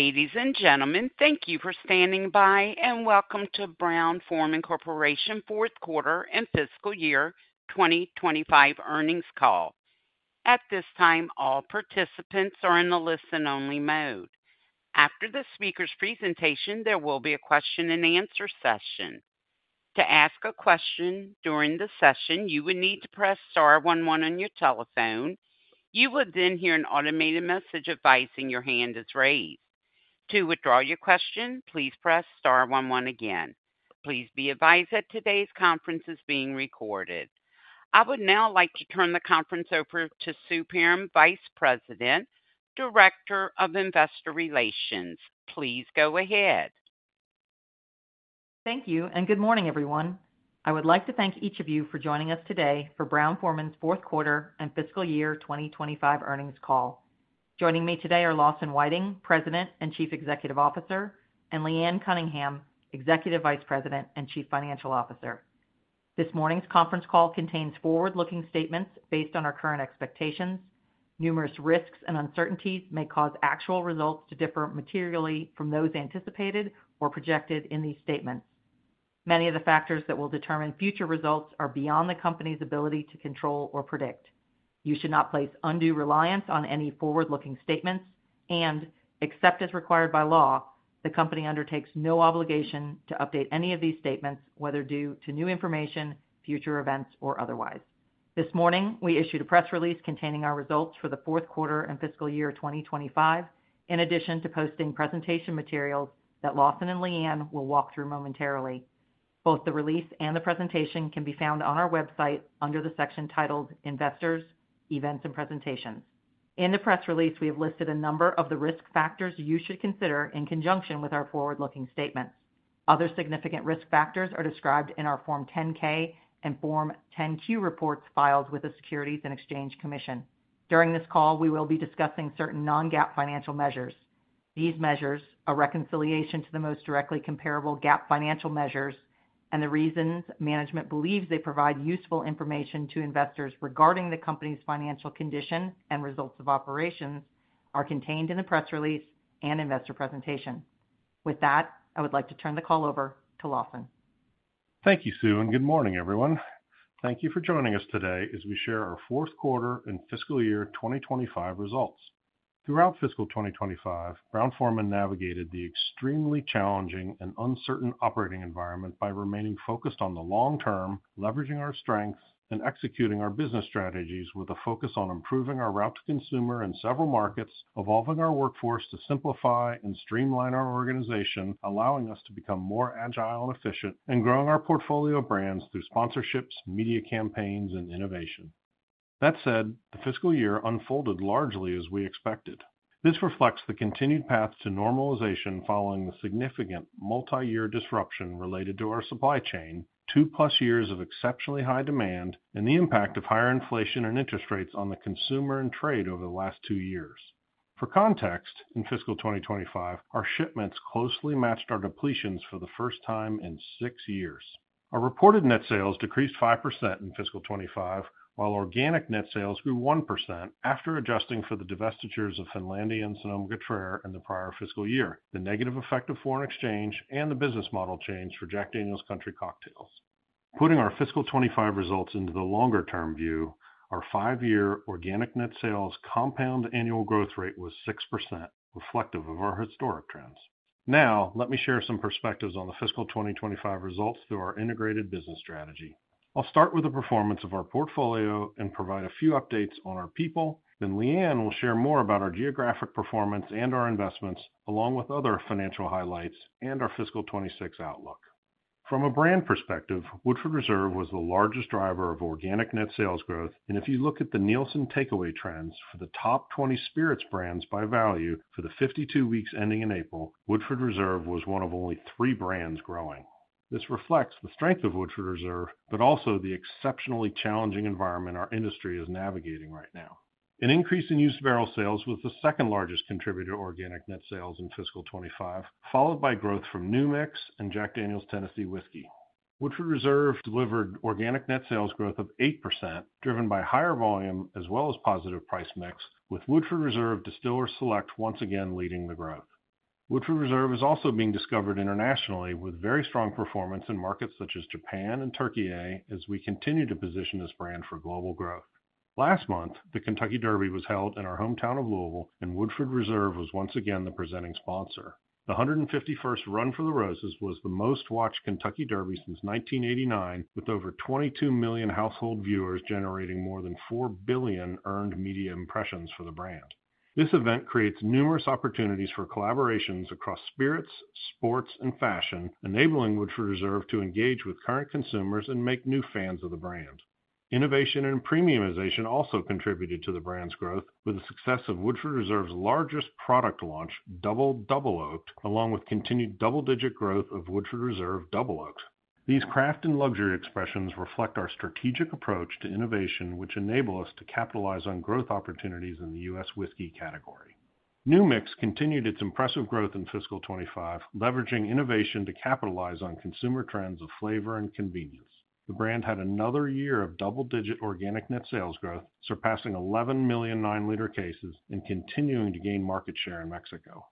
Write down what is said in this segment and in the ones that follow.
Ladies and gentlemen, thank you for standing by, and welcome to Brown-Forman Corporation Fourth Quarter and Fiscal Year 2025 Earnings Call. At this time, all participants are in the listen-only mode. After the speaker's presentation, there will be a question-and-answer session. To ask a question during the session, you would need to press star one one on your telephone. You would then hear an automated message advising your hand is raised. To withdraw your question, please press star 11 again. Please be advised that today's conference is being recorded. I would now like to turn the conference over to Sue Perram, Vice President, Director of Investor Relations. Please go ahead. Thank you, and good morning, everyone. I would like to thank each of you for joining us today for Brown-Forman's Fourth Quarter and Fiscal Year 2025 Earnings Call. Joining me today are Lawson Whiting, President and Chief Executive Officer, and Leanne Cunningham, Executive Vice President and Chief Financial Officer. This morning's conference call contains forward-looking statements based on our current expectations. Numerous risks and uncertainties may cause actual results to differ materially from those anticipated or projected in these statements. Many of the factors that will determine future results are beyond the company's ability to control or predict. You should not place undue reliance on any forward-looking statements, and, except as required by law, the company undertakes no obligation to update any of these statements, whether due to new information, future events, or otherwise. This morning, we issued a press release containing our results for the fourth quarter and fiscal year 2025, in addition to posting presentation materials that Lawson and Leanne will walk through momentarily. Both the release and the presentation can be found on our website under the section titled Investors, Events, and Presentations. In the press release, we have listed a number of the risk factors you should consider in conjunction with our forward-looking statements. Other significant risk factors are described in our Form 10-K and Form 10-Q reports filed with the Securities and Exchange Commission. During this call, we will be discussing certain non-GAAP financial measures. These measures are reconciliation to the most directly comparable GAAP financial measures, and the reasons management believes they provide useful information to investors regarding the company's financial condition and results of operations are contained in the press release and investor presentation. With that, I would like to turn the call over to Lawson. Thank you, Sue, and good morning, everyone. Thank you for joining us today as we share our Fourth Quarter and Fiscal Year 2025 results. Throughout fiscal 2025, Brown-Forman navigated the extremely challenging and uncertain operating environment by remaining focused on the long term, leveraging our strengths, and executing our business strategies with a focus on improving our route to consumer in several markets, evolving our workforce to simplify and streamline our organization, allowing us to become more agile and efficient, and growing our portfolio of brands through sponsorships, media campaigns, and innovation. That said, the fiscal year unfolded largely as we expected. This reflects the continued path to normalization following the significant multi-year disruption related to our supply chain, two-plus years of exceptionally high demand, and the impact of higher inflation and interest rates on the consumer and trade over the last two years. For context, in Fiscal 2025, our shipments closely matched our depletions for the first time in six years. Our reported net sales decreased 5% in Fiscal 2025, while organic net sales grew 1% after adjusting for the divestitures of Finlandia and Sonoma-Cutrer in the prior fiscal year, the negative effect of foreign exchange, and the business model change for Jack Daniel's Country Cocktails. Putting our Fiscal 2025 results into the longer-term view, our five-year organic net sales compound annual growth rate was 6%, reflective of our historic trends. Now, let me share some perspectives on the Fiscal 2025 results through our integrated business strategy. I'll start with the performance of our portfolio and provide a few updates on our people, then Leanne will share more about our geographic performance and our investments, along with other financial highlights and our Fiscal 2026 outlook. From a brand perspective, Woodford Reserve was the largest driver of organic net sales growth, and if you look at the Nielsen takeaway trends for the top 20 spirits brands by value for the 52 weeks ending in April, Woodford Reserve was one of only three brands growing. This reflects the strength of Woodford Reserve, but also the exceptionally challenging environment our industry is navigating right now. An increase in used barrel sales was the second largest contributor to organic net sales in Fiscal 2025, followed by growth from New Mix and Jack Daniel's Tennessee whiskey. Woodford Reserve delivered organic net sales growth of 8%, driven by higher volume as well as positive price mix, with Woodford Reserve Distiller's Select once again leading the growth. Woodford Reserve is also being discovered internationally with very strong performance in markets such as Japan and Türkiye as we continue to position this brand for global growth. Last month, the Kentucky Derby was held in our hometown of Louisville, and Woodford Reserve was once again the presenting sponsor. The 151st Run for the Roses was the most-watched Kentucky Derby since 1989, with over 22 million household viewers generating more than 4 billion earned media impressions for the brand. This event creates numerous opportunities for collaborations across spirits, sports, and fashion, enabling Woodford Reserve to engage with current consumers and make new fans of the brand. Innovation and premiumization also contributed to the brand's growth, with the success of Woodford Reserve's largest product launch, Double Double Oaked, along with continued double-digit growth of Woodford Reserve Double Oaked. These craft and luxury expressions reflect our strategic approach to innovation, which enable us to capitalize on growth opportunities in the US whiskey category. New Mix continued its impressive growth in Fiscal 2025, leveraging innovation to capitalize on consumer trends of flavor and convenience. The brand had another year of double-digit organic net sales growth, surpassing 11 million nine-liter cases and continuing to gain market share in Mexico.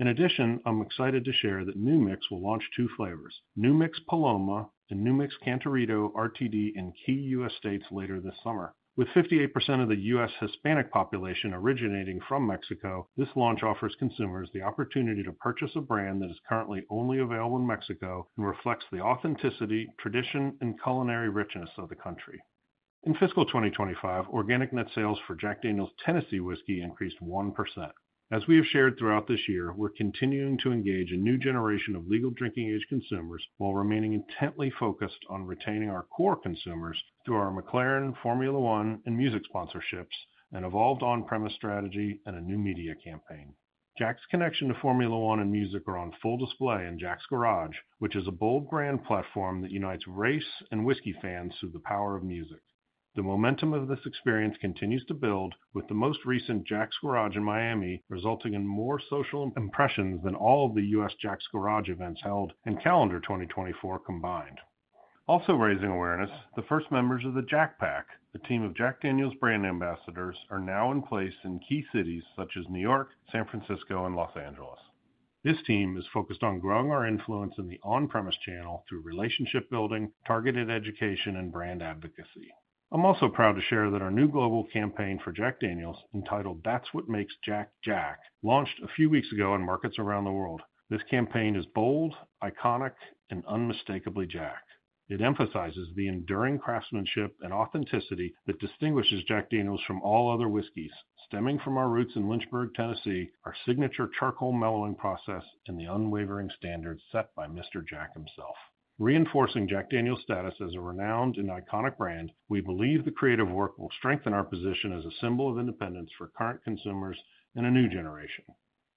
In addition, I'm excited to share that New Mix will launch two flavors, New Mix Paloma and New Mix Cantarito RTD in key U.S. states later this summer. With 58% of the US Hispanic population originating from Mexico, this launch offers consumers the opportunity to purchase a brand that is currently only available in Mexico and reflects the authenticity, tradition, and culinary richness of the country. In Fiscal 2025, organic net sales for Jack Daniel's Tennessee Whiskey increased 1%. As we have shared throughout this year, we're continuing to engage a new generation of legal drinking-age consumers while remaining intently focused on retaining our core consumers through our McLaren, Formula One, and music sponsorships, an evolved on-premise strategy, and a new media campaign. Jack's connection to Formula One and music are on full display in Jack's Garage, which is a bold brand platform that unites race and whiskey fans through the power of music. The momentum of this experience continues to build, with the most recent Jack's Garage in Miami resulting in more social impressions than all of the U.S. Jack's GARAGE events held in calendar 2024 combined. Also raising awareness, the first members of the Jack Pack, a team of Jack Daniel's brand ambassadors, are now in place in key cities such as New York, San Francisco, and Los Angeles. This team is focused on growing our influence in the on-premise channel through relationship building, targeted education, and brand advocacy. I'm also proud to share that our new global campaign for Jack Daniel's, entitled "That's What Makes Jack Jack," launched a few weeks ago in markets around the world. This campaign is bold, iconic, and unmistakably Jack. It emphasizes the enduring craftsmanship and authenticity that distinguishes Jack Daniel's from all other whiskeys, stemming from our roots in Lynchburg, Tennessee, our signature charcoal mellowing process, and the unwavering standards set by Mr. Jack himself. Reinforcing Jack Daniel's status as a renowned and iconic brand, we believe the creative work will strengthen our position as a symbol of independence for current consumers and a new generation.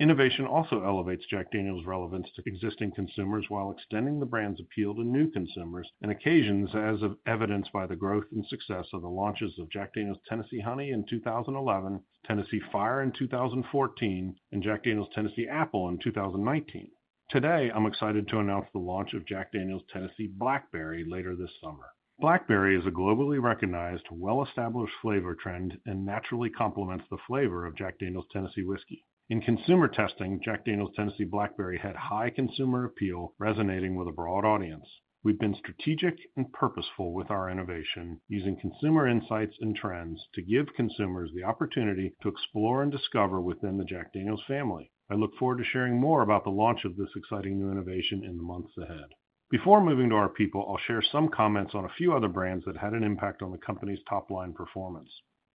Innovation also elevates Jack Daniel's relevance to existing consumers while extending the brand's appeal to new consumers, in occasions as evidenced by the growth and success of the launches of Jack Daniel's Tennessee Honey in 2011, Tennessee Fire in 2014, and Jack Daniel's Tennessee Apple in 2019. Today, I'm excited to announce the launch of Jack Daniel's Tennessee Blackberry later this summer. Blackberry is a globally recognized, well-established flavor trend and naturally complements the flavor of Jack Daniel's Tennessee Whiskey. In consumer testing, Jack Daniel's Tennessee Blackberry had high consumer appeal, resonating with a broad audience. We've been strategic and purposeful with our innovation, using consumer insights and trends to give consumers the opportunity to explore and discover within the Jack Daniel's family. I look forward to sharing more about the launch of this exciting new innovation in the months ahead. Before moving to our people, I'll share some comments on a few other brands that had an impact on the company's top-line performance.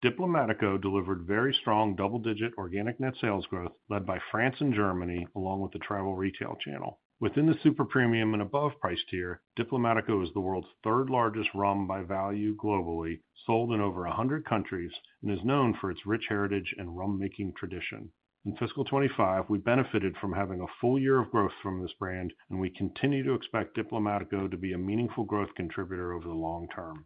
Diplomático delivered very strong double-digit organic net sales growth led by France and Germany, along with the travel retail channel. Within the super premium and above price tier, Diplomático is the world's third-largest rum by value globally, sold in over 100 countries, and is known for its rich heritage and rum-making tradition. In Fiscal 2025, we benefited from having a full year of growth from this brand, and we continue to expect Diplomático to be a meaningful growth contributor over the long term.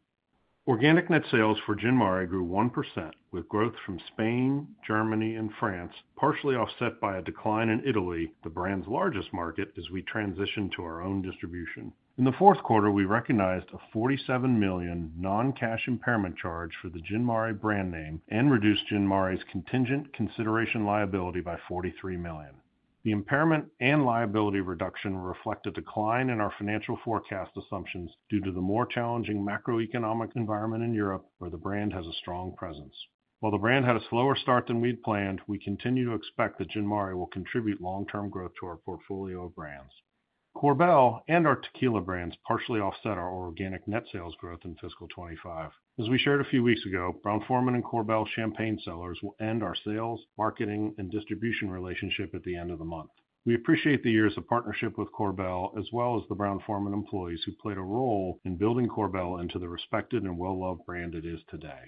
Organic net sales for Gin Mare grew 1%, with growth from Spain, Germany, and France, partially offset by a decline in Italy, the brand's largest market, as we transitioned to our own distribution. In the fourth quarter, we recognized a $47 million non-cash impairment charge for the Gin Mare brand name and reduced Gin Mare's contingent consideration liability by $43 million. The impairment and liability reduction reflect a decline in our financial forecast assumptions due to the more challenging macroeconomic environment in Europe, where the brand has a strong presence. While the brand had a slower start than we'd planned, we continue to expect that Gin Mare will contribute long-term growth to our portfolio of brands. Korbel and our tequila brands partially offset our organic net sales growth in Fiscal 2025. As we shared a few weeks ago, Brown-Forman and Korbel Champagne sellers will end our sales, marketing, and distribution relationship at the end of the month. We appreciate the years of partnership with Korbel, as well as the Brown-Forman employees who played a role in building Korbel into the respected and well-loved brand it is today.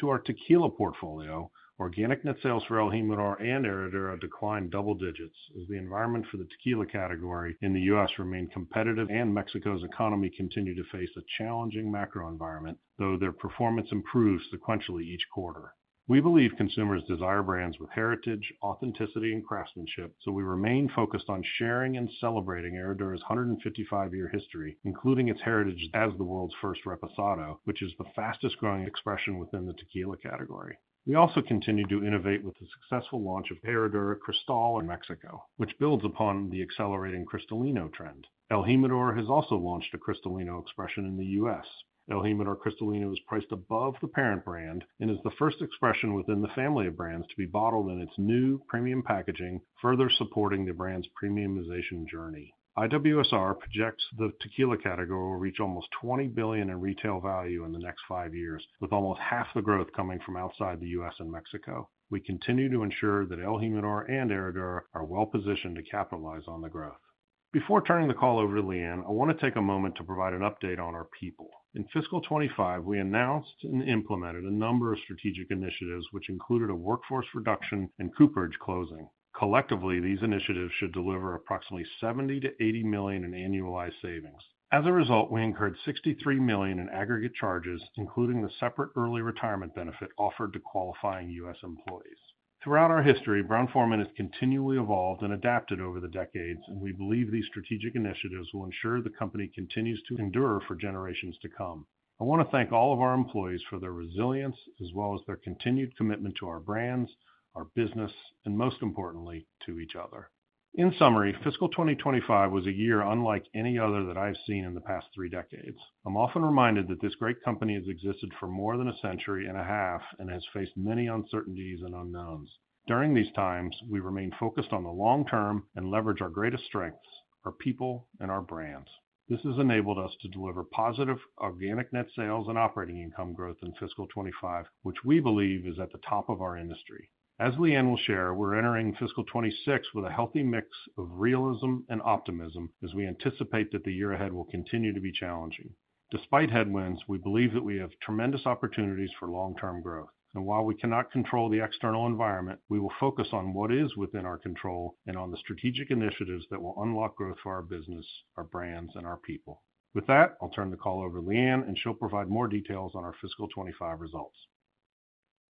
To our tequila portfolio, organic net sales for El Jimador and Herradura declined double digits, as the environment for the tequila category in the U.S. remained competitive and Mexico's economy continued to face a challenging macro environment, though their performance improves sequentially each quarter. We believe consumers desire brands with heritage, authenticity, and craftsmanship, so we remain focused on sharing and celebrating Herradura's 155-year history, including its heritage as the world's first Reposado, which is the fastest-growing expression within the tequila category. We also continue to innovate with the successful launch of Herradura Cristalino in Mexico, which builds upon the accelerating Cristalino trend. El Jimador has also launched a Cristalino expression in the U.S. El Jimador Cristalino is priced above the parent brand and is the first expression within the family of brands to be bottled in its new premium packaging, further supporting the brand's premiumization journey. IWSR projects the tequila category will reach almost $20 billion in retail value in the next five years, with almost half the growth coming from outside the U.S. and Mexico. We continue to ensure that El Jimador and Herradura are well-positioned to capitalize on the growth. Before turning the call over to Leanne, I want to take a moment to provide an update on our people. In Fiscal 2025, we announced and implemented a number of strategic initiatives, which included a workforce reduction and Cooperage closing. Collectively, these initiatives should deliver approximately $70 million-$80 million in annualized savings. As a result, we incurred $63 million in aggregate charges, including the separate early retirement benefit offered to qualifying U.S. employees. Throughout our history, Brown-Forman has continually evolved and adapted over the decades, and we believe these strategic initiatives will ensure the company continues to endure for generations to come. I want to thank all of our employees for their resilience, as well as their continued commitment to our brands, our business, and most importantly, to each other. In summary, Fiscal 2025 was a year unlike any other that I've seen in the past three decades. I'm often reminded that this great company has existed for more than a century and a half and has faced many uncertainties and unknowns. During these times, we remain focused on the long term and leverage our greatest strengths, our people, and our brands. This has enabled us to deliver positive organic net sales and operating income growth in Fiscal 2025, which we believe is at the top of our industry. As Leanne will share, we're entering Fiscal 2026 with a healthy mix of realism and optimism as we anticipate that the year ahead will continue to be challenging. Despite headwinds, we believe that we have tremendous opportunities for long-term growth, and while we cannot control the external environment, we will focus on what is within our control and on the strategic initiatives that will unlock growth for our business, our brands, and our people. With that, I'll turn the call over to Leanne, and she'll provide more details on our Fiscal 2025 results.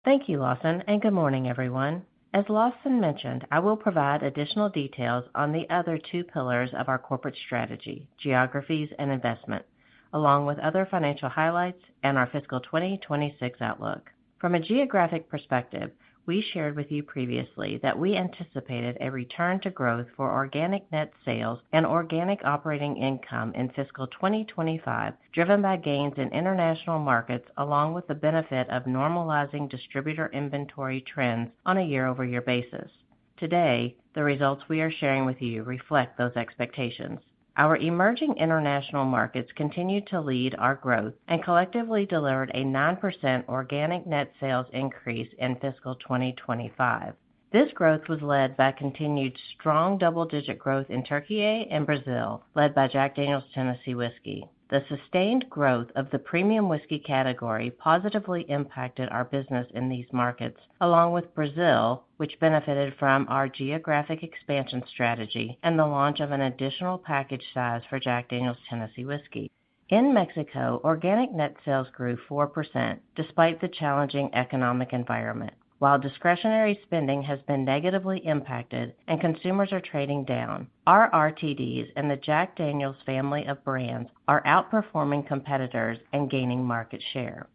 Thank you, Lawson. Good morning, everyone. As Lawson mentioned, I will provide additional details on the other two pillars of our corporate strategy, geographies and investment, along with other financial highlights and our Fiscal 2026 outlook. From a geographic perspective, we shared with you previously that we anticipated a return to growth for organic net sales and organic operating income in Fiscal 2025, driven by gains in international markets, along with the benefit of normalizing distributor inventory trends on a year-over-year basis. Today, the results we are sharing with you reflect those expectations. Our emerging international markets continue to lead our growth and collectively delivered a 9% organic net sales increase in Fiscal 2025. This growth was led by continued strong double-digit growth in Türkiye and Brazil, led by Jack Daniel's Tennessee Whiskey. The sustained growth of the premium whiskey category positively impacted our business in these markets, along with Brazil, which benefited from our geographic expansion strategy and the launch of an additional package size for Jack Daniel's Tennessee Whiskey. In Mexico, organic net sales grew 4%, despite the challenging economic environment. While discretionary spending has been negatively impacted and consumers are trading down, our RTDs and the Jack Daniel's family of brands are outperforming competitors and gaining market share.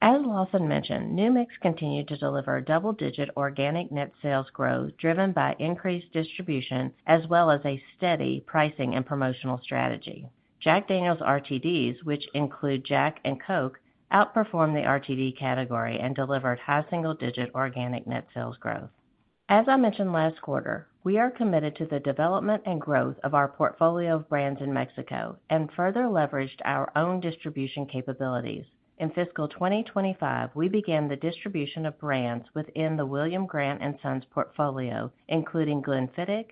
As Lawson mentioned, New Mix continued to deliver double-digit organic net sales growth driven by increased distribution, as well as a steady pricing and promotional strategy. Jack Daniel's RTDs, which include Jack and Coke, outperformed the RTD category and delivered high single-digit organic net sales growth. As I mentioned last quarter, we are committed to the development and growth of our portfolio of brands in Mexico and further leveraged our own distribution capabilities. In Fiscal 2025, we began the distribution of brands within the William Grant & Sons portfolio, including Glenfiddich,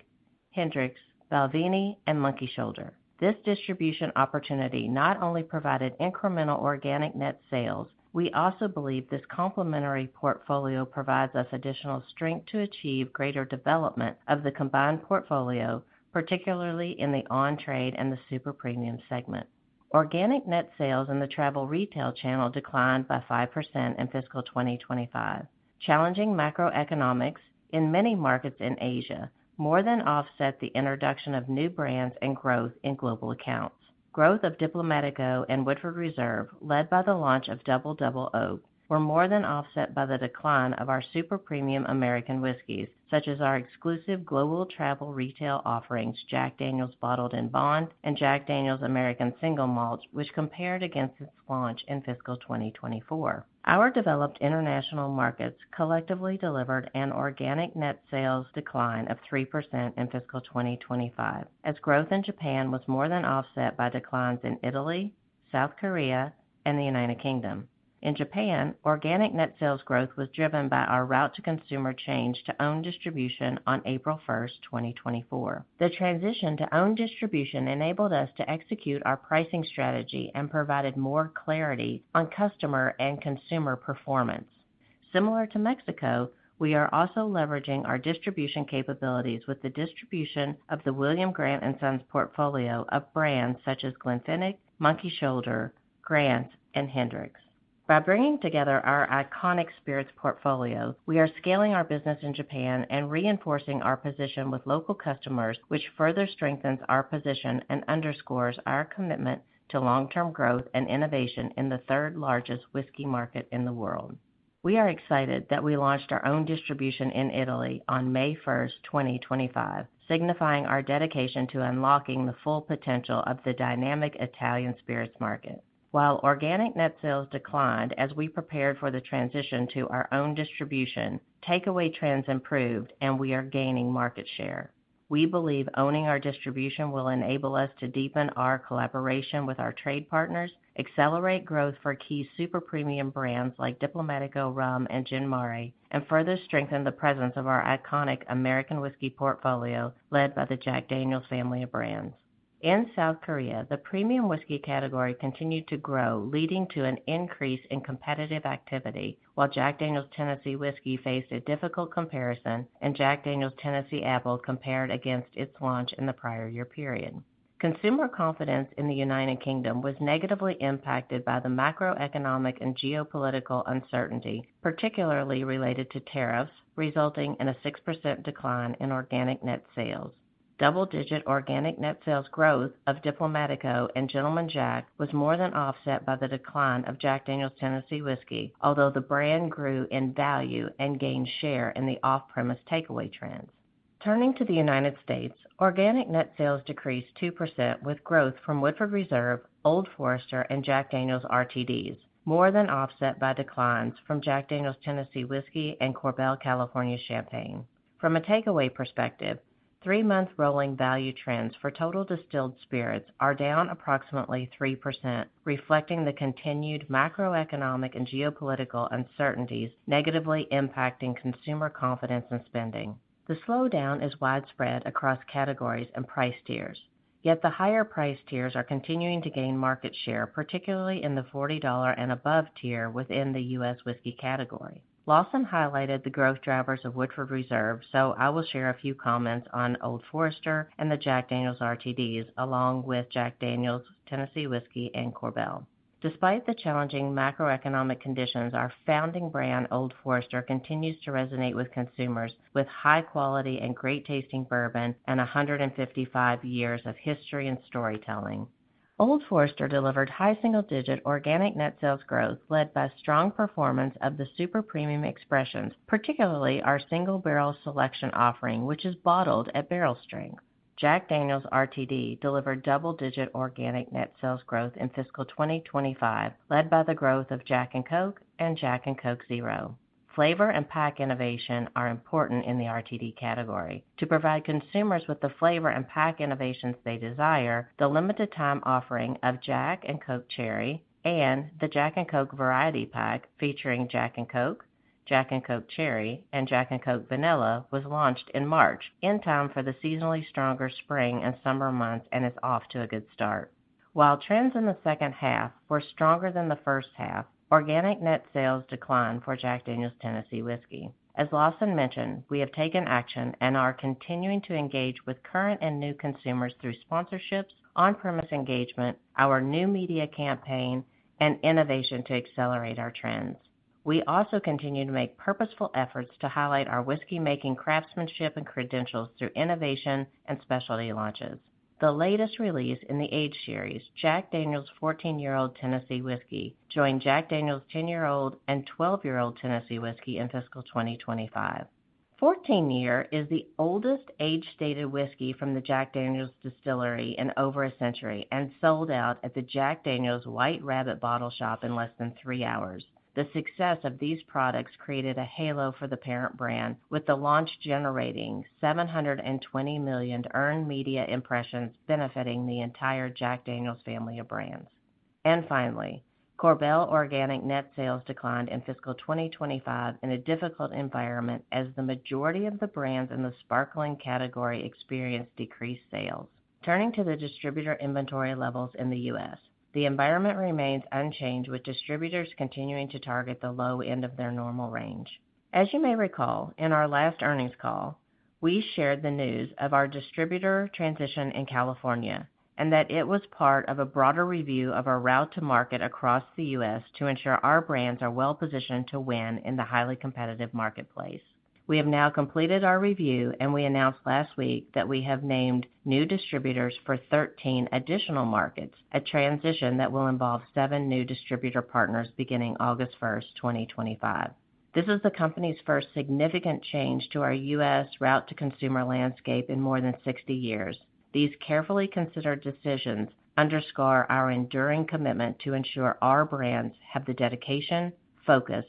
Hendrick's, Balvenie, and Monkey Shoulder. This distribution opportunity not only provided incremental organic net sales, we also believe this complementary portfolio provides us additional strength to achieve greater development of the combined portfolio, particularly in the on-trade and the super premium segment. Organic net sales in the travel retail channel declined by 5% in Fiscal 2025. Challenging macroeconomics in many markets in Asia more than offset the introduction of new brands and growth in global accounts. Growth of Diplomático Rum and Woodford Reserve, led by the launch of Double Double Oak, were more than offset by the decline of our super premium American whiskeys, such as our exclusive global travel retail offerings, Jack Daniel's Bottled in Bond and Jack Daniel's American Single Malt, which compared against its launch in Fiscal 2024. Our developed international markets collectively delivered an organic net sales decline of 3% in Fiscal 2025, as growth in Japan was more than offset by declines in Italy, South Korea, and the United Kingdom. In Japan, organic net sales growth was driven by our route to consumer change to own distribution on April 1st, 2024. The transition to own distribution enabled us to execute our pricing strategy and provided more clarity on customer and consumer performance. Similar to Mexico, we are also leveraging our distribution capabilities with the distribution of the William Grant & Sons portfolio of brands such as Glenfiddich, Monkey Shoulder, Grant, and Hendrick's. By bringing together our iconic spirits portfolio, we are scaling our business in Japan and reinforcing our position with local customers, which further strengthens our position and underscores our commitment to long-term growth and innovation in the third-largest whiskey market in the world. We are excited that we launched our own distribution in Italy on May 1, 2025, signifying our dedication to unlocking the full potential of the dynamic Italian spirits market. While organic net sales declined as we prepared for the transition to our own distribution, takeaway trends improved, and we are gaining market share. We believe owning our distribution will enable us to deepen our collaboration with our trade partners, accelerate growth for key super premium brands like Diplomatico Rum and Gin Mare, and further strengthen the presence of our iconic American whiskey portfolio led by the Jack Daniel's family of brands. In South Korea, the premium whiskey category continued to grow, leading to an increase in competitive activity, while Jack Daniel's Tennessee Whiskey faced a difficult comparison, and Jack Daniel's Tennessee Apple compared against its launch in the prior year period. Consumer confidence in the United Kingdom was negatively impacted by the macroeconomic and geopolitical uncertainty, particularly related to tariffs, resulting in a 6% decline in organic net sales. Double-digit organic net sales growth of Diplomático and Gentleman Jack was more than offset by the decline of Jack Daniel's Tennessee Whiskey, although the brand grew in value and gained share in the off-premise takeaway trends. Turning to the United States, organic net sales decreased 2% with growth from Woodford Reserve, Old Forester, and Jack Daniel's RTDs, more than offset by declines from Jack Daniel's Tennessee Whiskey and Korbel, California Champagne. From a takeaway perspective, three-month rolling value trends for total distilled spirits are down approximately 3%, reflecting the continued macroeconomic and geopolitical uncertainties negatively impacting consumer confidence and spending. The slowdown is widespread across categories and price tiers, yet the higher price tiers are continuing to gain market share, particularly in the $40 and above tier within the U.S. whiskey category. Lawson highlighted the growth drivers of Woodford Reserve, so I will share a few comments on Old Forester and the Jack Daniel's RTDs, along with Jack Daniel's Tennessee Whiskey and Korbel. Despite the challenging macroeconomic conditions, our founding brand, Old Forester, continues to resonate with consumers with high-quality and great-tasting bourbon and 155 years of history and storytelling. Old Forester delivered high single-digit organic net sales growth led by strong performance of the super premium expressions, particularly our single-barrel selection offering, which is bottled at barrel strength. Jack Daniel's RTD delivered double-digit organic net sales growth in Fiscal 2025, led by the growth of Jack and Coke and Jack and Coke Zero. Flavor and pack innovation are important in the RTD category. To provide consumers with the flavor and pack innovations they desire, the limited-time offering of Jack & Coke Cherry and the Jack& Coke Variety Pack, featuring Jack & Coke, Jack & Coke Cherry, and Jack & Coke Vanilla, was launched in March, in time for the seasonally stronger spring and summer months and is off to a good start. While trends in the second half were stronger than the first half, organic net sales declined for Jack Daniel's Tennessee Whiskey. As Lawson mentioned, we have taken action and are continuing to engage with current and new consumers through sponsorships, on-premise engagement, our new media campaign, and innovation to accelerate our trends. We also continue to make purposeful efforts to highlight our whiskey-making craftsmanship and credentials through innovation and specialty launches. The latest release in the age series, Jack Daniel's 14-year-old Tennessee Whiskey, joined Jack Daniel's 10-year-old and 12-year-old Tennessee Whiskey in Fiscal 2025. 14-year is the oldest age-stated whiskey from the Jack Daniel's distillery in over a century and sold out at the Jack Daniel's White Rabbit Bottle Shop in less than three hours. The success of these products created a halo for the parent brand, with the launch generating 720 million earned media impressions benefiting the entire Jack Daniel's family of brands. Finally, Corbel organic net sales declined in Fiscal 2025 in a difficult environment as the majority of the brands in the sparkling category experienced decreased sales. Turning to the distributor inventory levels in the U.S., the environment remains unchanged, with distributors continuing to target the low end of their normal range. As you may recall, in our last earnings call, we shared the news of our distributor transition in California and that it was part of a broader review of our route to market across the U.S. to ensure our brands are well-positioned to win in the highly competitive marketplace. We have now completed our review, and we announced last week that we have named new distributors for 13 additional markets, a transition that will involve seven new distributor partners beginning August 1st, 2025. This is the company's first significant change to our U..S. route-to-consumer landscape in more than 60 years. These carefully considered decisions underscore our enduring commitment to ensure our brands have the dedication, focus,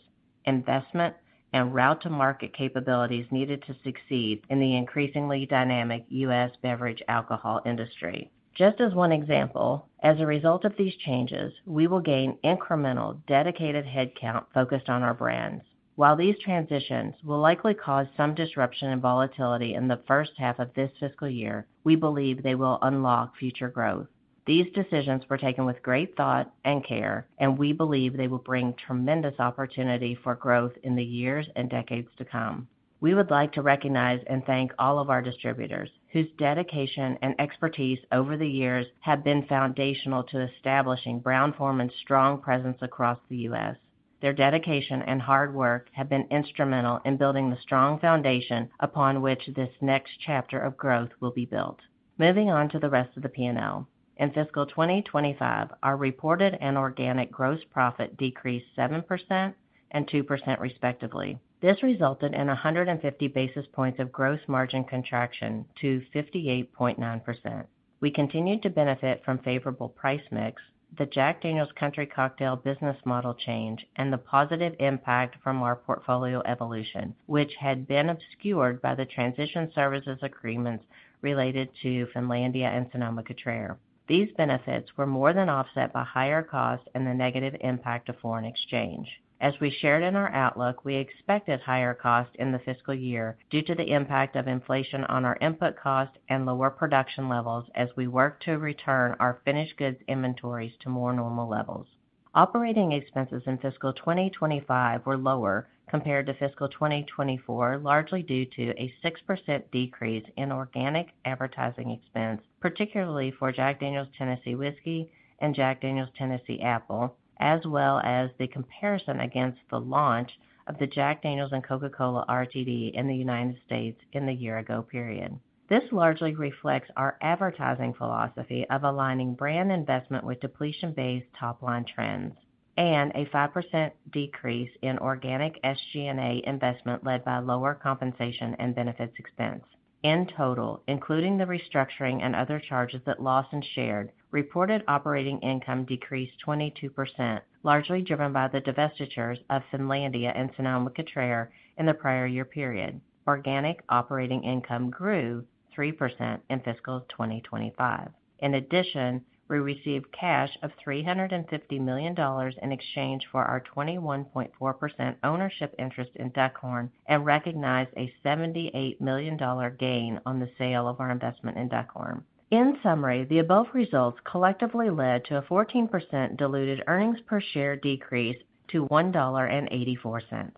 investment, and route-to-market capabilities needed to succeed in the increasingly dynamic U.S. beverage alcohol industry. Just as one example, as a result of these changes, we will gain incremental dedicated headcount focused on our brands. While these transitions will likely cause some disruption and volatility in the first half of this fiscal year, we believe they will unlock future growth. These decisions were taken with great thought and care, and we believe they will bring tremendous opportunity for growth in the years and decades to come. We would like to recognize and thank all of our distributors, whose dedication and expertise over the years have been foundational to establishing Brown-Forman's strong presence across the U.S. Their dedication and hard work have been instrumental in building the strong foundation upon which this next chapter of growth will be built. Moving on to the rest of the P&L, in Fiscal 2025, our reported and organic gross profit decreased 7% and 2% respectively. This resulted in 150 basis points of gross margin contraction to 58.9%. We continued to benefit from favorable price mix, the Jack Daniel's Country Cocktails business model change, and the positive impact from our portfolio evolution, which had been obscured by the transition services agreements related to Finlandia and Sonoma-Cutrer. These benefits were more than offset by higher costs and the negative impact of foreign exchange. As we shared in our outlook, we expected higher costs in the fiscal year due to the impact of inflation on our input costs and lower production levels as we work to return our finished goods inventories to more normal levels. Operating expenses in Fiscal 2025 were lower compared to Fiscal 2024, largely due to a 6% decrease in organic advertising expense, particularly for Jack Daniel's Tennessee Whiskey and Jack Daniel's Tennessee Apple, as well as the comparison against the launch of the Jack Daniel's & Coke RTD in the United States in the year-ago period. This largely reflects our advertising philosophy of aligning brand investment with depletion-based top-line trends and a 5% decrease in organic SG&A investment led by lower compensation and benefits expense. In total, including the restructuring and other charges that Lawson shared, reported operating income decreased 22%, largely driven by the divestitures of Finlandia and Sonoma-Cutrer in the prior year period. Organic operating income grew 3% in Fiscal 2025. In addition, we received cash of $350 million in exchange for our 21.4% ownership interest in Duckhorn and recognized a $78 million gain on the sale of our investment in Duckhorn. In summary, the above results collectively led to a 14% diluted earnings per share decrease to $1.84.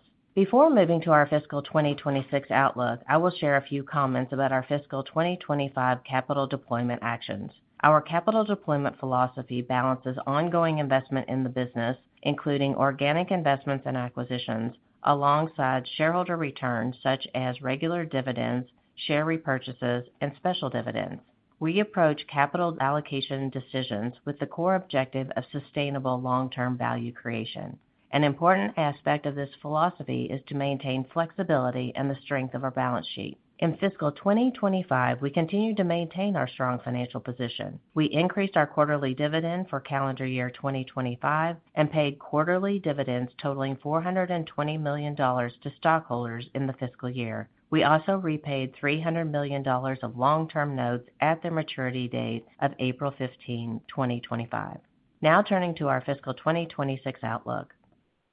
Before moving to our Fiscal 2026 outlook, I will share a few comments about our Fiscal 2025 capital deployment actions. Our capital deployment philosophy balances ongoing investment in the business, including organic investments and acquisitions, alongside shareholder returns such as regular dividends, share repurchases, and special dividends. We approach capital allocation decisions with the core objective of sustainable long-term value creation. An important aspect of this philosophy is to maintain flexibility and the strength of our balance sheet. In Fiscal 2025, we continue to maintain our strong financial position. We increased our quarterly dividend for calendar year 2025 and paid quarterly dividends totaling $420 million to stockholders in the fiscal year. We also repaid $300 million of long-term notes at the maturity date of April 15, 2025. Now turning to our Fiscal 2026 outlook,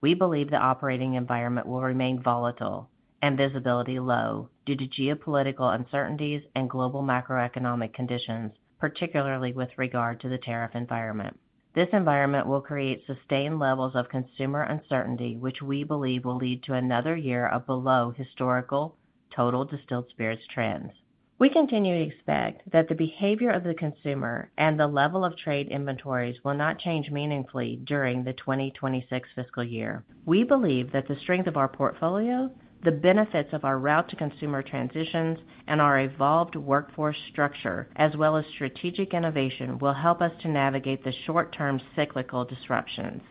we believe the operating environment will remain volatile and visibility low due to geopolitical uncertainties and global macroeconomic conditions, particularly with regard to the tariff environment. This environment will create sustained levels of consumer uncertainty, which we believe will lead to another year of below historical total distilled spirits trends. We continue to expect that the behavior of the consumer and the level of trade inventories will not change meaningfully during the 2026 fiscal year. We believe that the strength of our portfolio, the benefits of our route-to-consumer transitions, and our evolved workforce structure, as well as strategic innovation, will help us to navigate the short-term cyclical disruptions.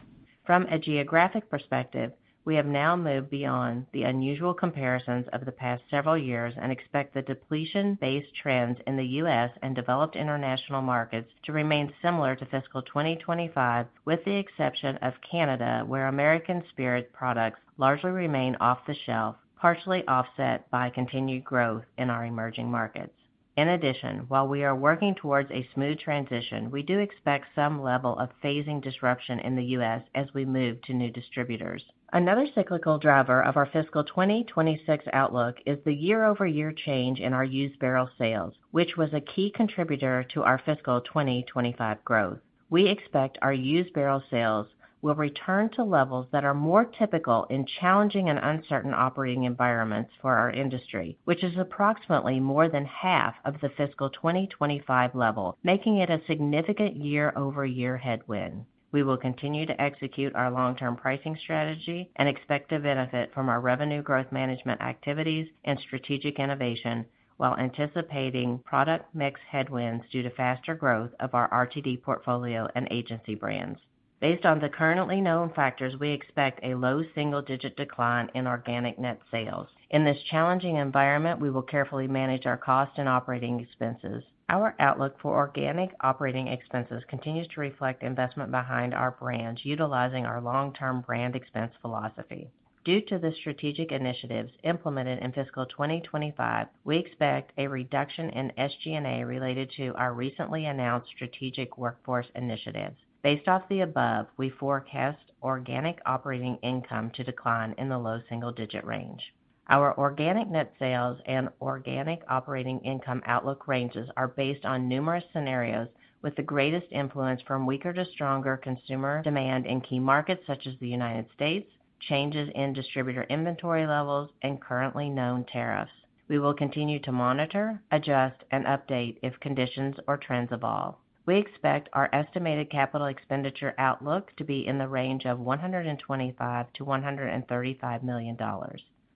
From a geographic perspective, we have now moved beyond the unusual comparisons of the past several years and expect the depletion-based trends in the U.S. and developed international markets to remain similar to Fiscal 2025, with the exception of Canada, where American spirit products largely remain off the shelf, partially offset by continued growth in our emerging markets. In addition, while we are working towards a smooth transition, we do expect some level of phasing disruption in the U.S. as we move to new distributors. Another cyclical driver of our Fiscal 2026 outlook is the year-over-year change in our used barrel sales, which was a key contributor to our Fiscal 2025 growth. We expect our used barrel sales will return to levels that are more typical in challenging and uncertain operating environments for our industry, which is approximately more than half of the Fiscal 2025 level, making it a significant year-over-year headwind. We will continue to execute our long-term pricing strategy and expect a benefit from our revenue growth management activities and strategic innovation while anticipating product mix headwinds due to faster growth of our RTD portfolio and agency brands. Based on the currently known factors, we expect a low single-digit decline in organic net sales. In this challenging environment, we will carefully manage our cost and operating expenses. Our outlook for organic operating expenses continues to reflect investment behind our brands, utilizing our long-term brand expense philosophy. Due to the strategic initiatives implemented in Fiscal 2025, we expect a reduction in SG&A related to our recently announced strategic workforce initiatives. Based off the above, we forecast organic operating income to decline in the low single-digit range. Our organic net sales and organic operating income outlook ranges are based on numerous scenarios, with the greatest influence from weaker to stronger consumer demand in key markets such as the U.S., changes in distributor inventory levels, and currently known tariffs. We will continue to monitor, adjust, and update if conditions or trends evolve. We expect our estimated capital expenditure outlook to be in the range of $125 million-$135 million.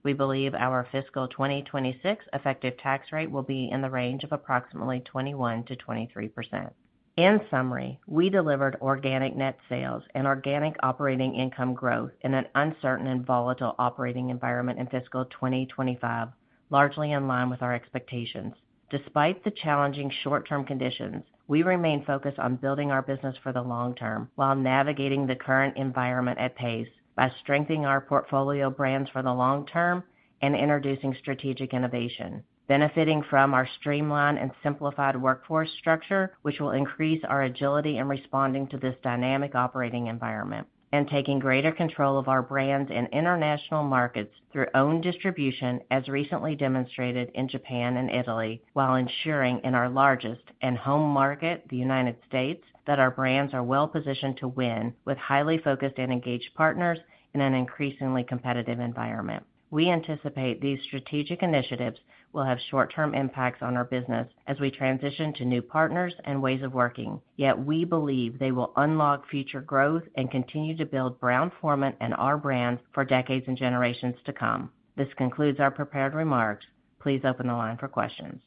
We believe our Fiscal 2026 effective tax rate will be in the range of approximately 21%-23%. In summary, we delivered organic net sales and organic operating income growth in an uncertain and volatile operating environment in Fiscal 2025, largely in line with our expectations. Despite the challenging short-term conditions, we remain focused on building our business for the long term while navigating the current environment at pace by strengthening our portfolio brands for the long term and introducing strategic innovation, benefiting from our streamlined and simplified workforce structure, which will increase our agility in responding to this dynamic operating environment and taking greater control of our brands in international markets through own distribution, as recently demonstrated in Japan and Italy, while ensuring in our largest and home market, the United States, that our brands are well-positioned to win with highly focused and engaged partners in an increasingly competitive environment. We anticipate these strategic initiatives will have short-term impacts on our business as we transition to new partners and ways of working, yet we believe they will unlock future growth and continue to build Brown-Forman and our brands for decades and generations to come. This concludes our prepared remarks. Please open the line for questions.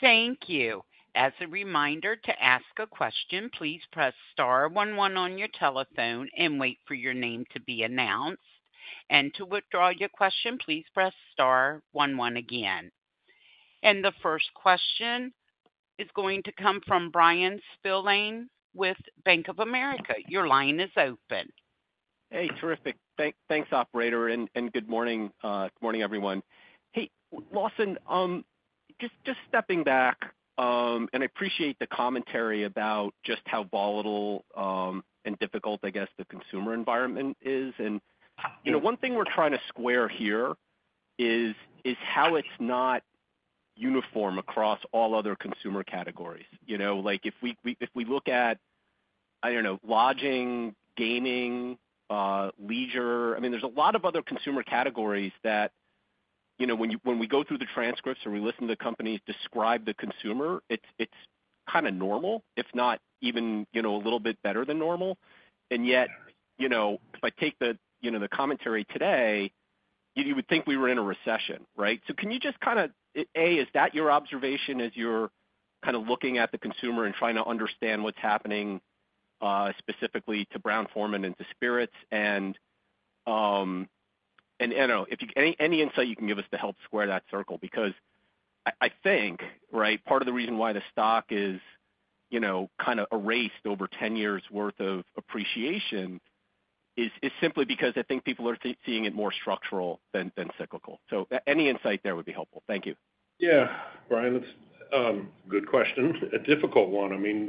Thank you. As a reminder, to ask a question, please press star one one on your telephone and wait for your name to be announced. To withdraw your question, please press star one one again. The first question is going to come from Bryan Spillane with Bank of America. Your line is open. Hey, terrific. Thanks, operator. Good morning. Good morning, everyone. Hey, Lawson, just stepping back, and I appreciate the commentary about just how volatile and difficult, I guess, the consumer environment is. One thing we're trying to square here is how it's not uniform across all other consumer categories. If we look at, I don't know, lodging, gaming, leisure, I mean, there's a lot of other consumer categories that when we go through the transcripts or we listen to companies describe the consumer, it's kind of normal, if not even a little bit better than normal. Yet, if I take the commentary today, you would think we were in a recession, right? Can you just kind of, A, is that your observation as you're kind of looking at the consumer and trying to understand what's happening specifically to Brown-Forman and to spirits? I don't know, any insight you can give us to help square that circle? I think, right, part of the reason why the stock is kind of erased over 10 years' worth of appreciation is simply because I think people are seeing it more structural than cyclical. Any insight there would be helpful. Thank you. Yeah, Brian, that's a good question. A difficult one. I mean,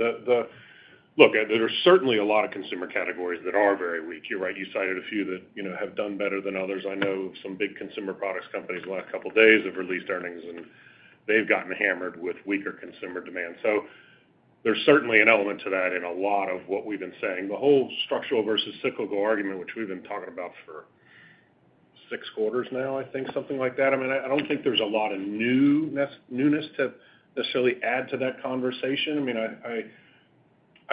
look, there are certainly a lot of consumer categories that are very weak. You're right. You cited a few that have done better than others. I know some big consumer products companies the last couple of days have released earnings, and they've gotten hammered with weaker consumer demand. There's certainly an element to that in a lot of what we've been saying. The whole structural versus cyclical argument, which we've been talking about for six quarters now, I think, something like that. I don't think there's a lot of newness to necessarily add to that conversation.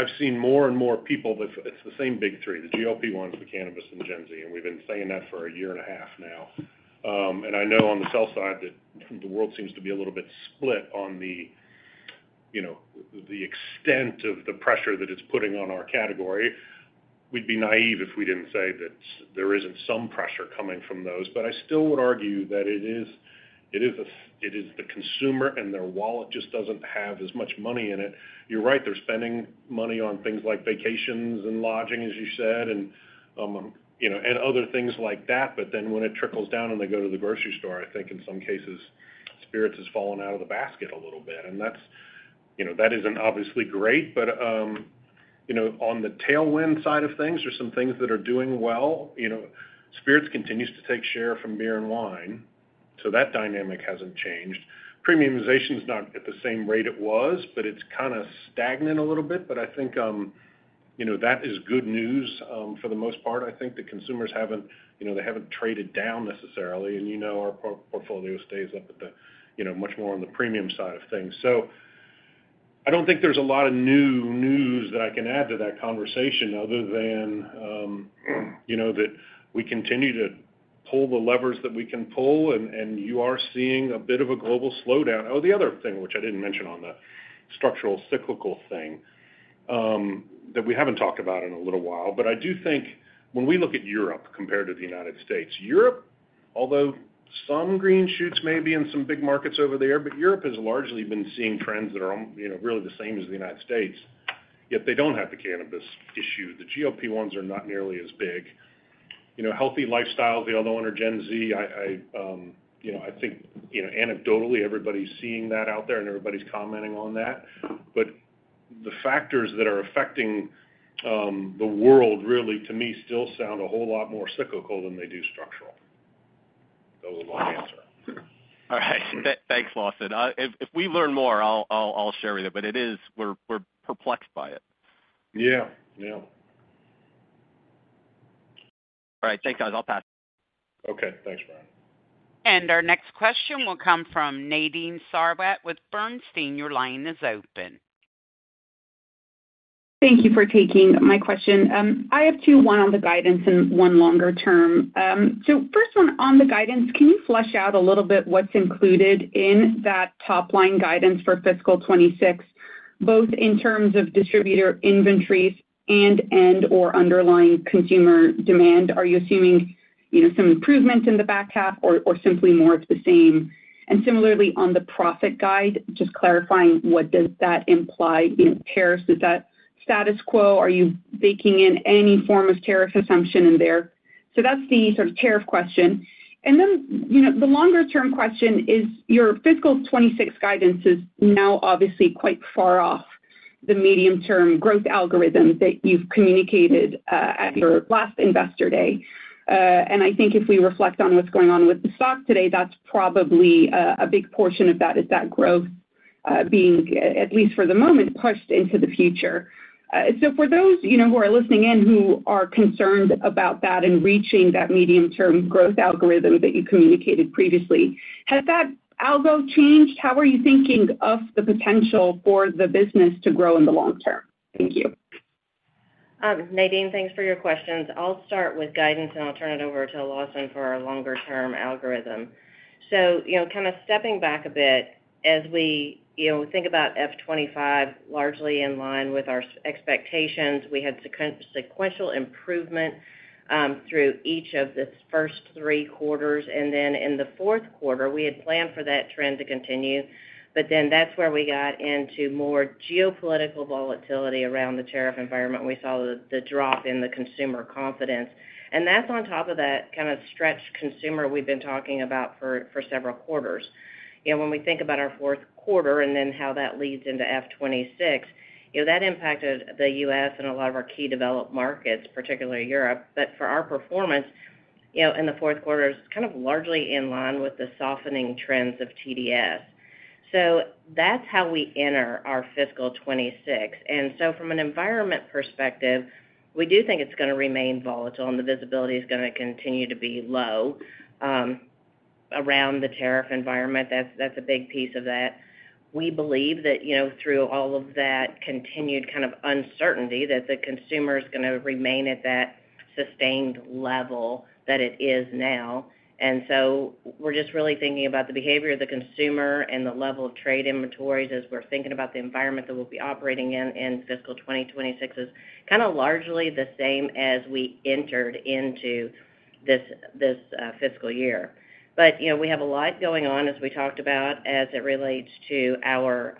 I've seen more and more people, it's the same big three, the GLP-1s, the cannabis, and Gen Z. We have been saying that for a year and a half now. I know on the sell side that the world seems to be a little bit split on the extent of the pressure that it is putting on our category. We would be naive if we did not say that there is not some pressure coming from those. I still would argue that it is the consumer and their wallet just does not have as much money in it. You are right. They are spending money on things like vacations and lodging, as you said, and other things like that. When it trickles down and they go to the grocery store, I think in some cases, spirits has fallen out of the basket a little bit. That is not obviously great. On the tailwind side of things, there are some things that are doing well. Spirits continues to take share from beer and wine. That dynamic has not changed. Premiumization is not at the same rate it was, but it is kind of stagnant a little bit. I think that is good news for the most part. I think the consumers have not traded down necessarily. Our portfolio stays up much more on the premium side of things. I do not think there is a lot of new news that I can add to that conversation other than that we continue to pull the levers that we can pull, and you are seeing a bit of a global slowdown. The other thing, which I did not mention on the structural cyclical thing, that we have not talked about in a little while. I do think when we look at Europe compared to the United States, Europe, although some green shoots may be in some big markets over there, has largely been seeing trends that are really the same as the United States, yet they do not have the cannabis issue. The GLP ones are not nearly as big. Healthy lifestyles, the other one or Gen Z, I think anecdotally everybody is seeing that out there and everybody is commenting on that. The factors that are affecting the world, really, to me, still sound a whole lot more cyclical than they do structural. That was a long answer. All right. Thanks, Lawson. If we learn more, I will share with you. It is, we are perplexed by it. Yeah. Yeah. All right. Thanks, guys. I will pass. Okay. Thanks, Bryan. Our next question will come from Nadine Sarwat with Bernstein. Your line is open. Thank you for taking my question. I have two, one on the guidance and one longer term. First one on the guidance, can you flesh out a little bit what's included in that top-line guidance for Fiscal 2026, both in terms of distributor inventories and/or underlying consumer demand? Are you assuming some improvements in the back half or simply more of the same? Similarly, on the profit guide, just clarifying what does that imply? Tariffs, is that status quo? Are you baking in any form of tariff assumption in there? That's the sort of tariff question. The longer-term question is your Fiscal 2026 guidance is now obviously quite far off the medium-term growth algorithm that you've communicated at your last investor day. I think if we reflect on what's going on with the stock today, that's probably a big portion of that is that growth being, at least for the moment, pushed into the future. For those who are listening in who are concerned about that and reaching that medium-term growth algorithm that you communicated previously, has that algo changed? How are you thinking of the potential for the business to grow in the long term? Thank you. Nadine, thanks for your questions. I'll start with guidance and I'll turn it over to Lawson for our longer-term algorithm. Kind of stepping back a bit as we think about F25, largely in line with our expectations, we had sequential improvement through each of the first three quarters. In the fourth quarter, we had planned for that trend to continue. That is where we got into more geopolitical volatility around the tariff environment. We saw the drop in consumer confidence. That is on top of that kind of stretched consumer we have been talking about for several quarters. When we think about our fourth quarter and then how that leads into Fiscal 2026, that impacted the U.S. and a lot of our key developed markets, particularly Europe. For our performance in the fourth quarter, it is largely in line with the softening trends of TDS. That is how we enter our Fiscal 2026. From an environment perspective, we do think it is going to remain volatile and the visibility is going to continue to be low around the tariff environment. That is a big piece of that. We believe that through all of that continued kind of uncertainty, the consumer is going to remain at that sustained level that it is now. We are just really thinking about the behavior of the consumer and the level of trade inventories as we are thinking about the environment that we will be operating in in Fiscal 2026 is kind of largely the same as we entered into this fiscal year. We have a lot going on, as we talked about, as it relates to our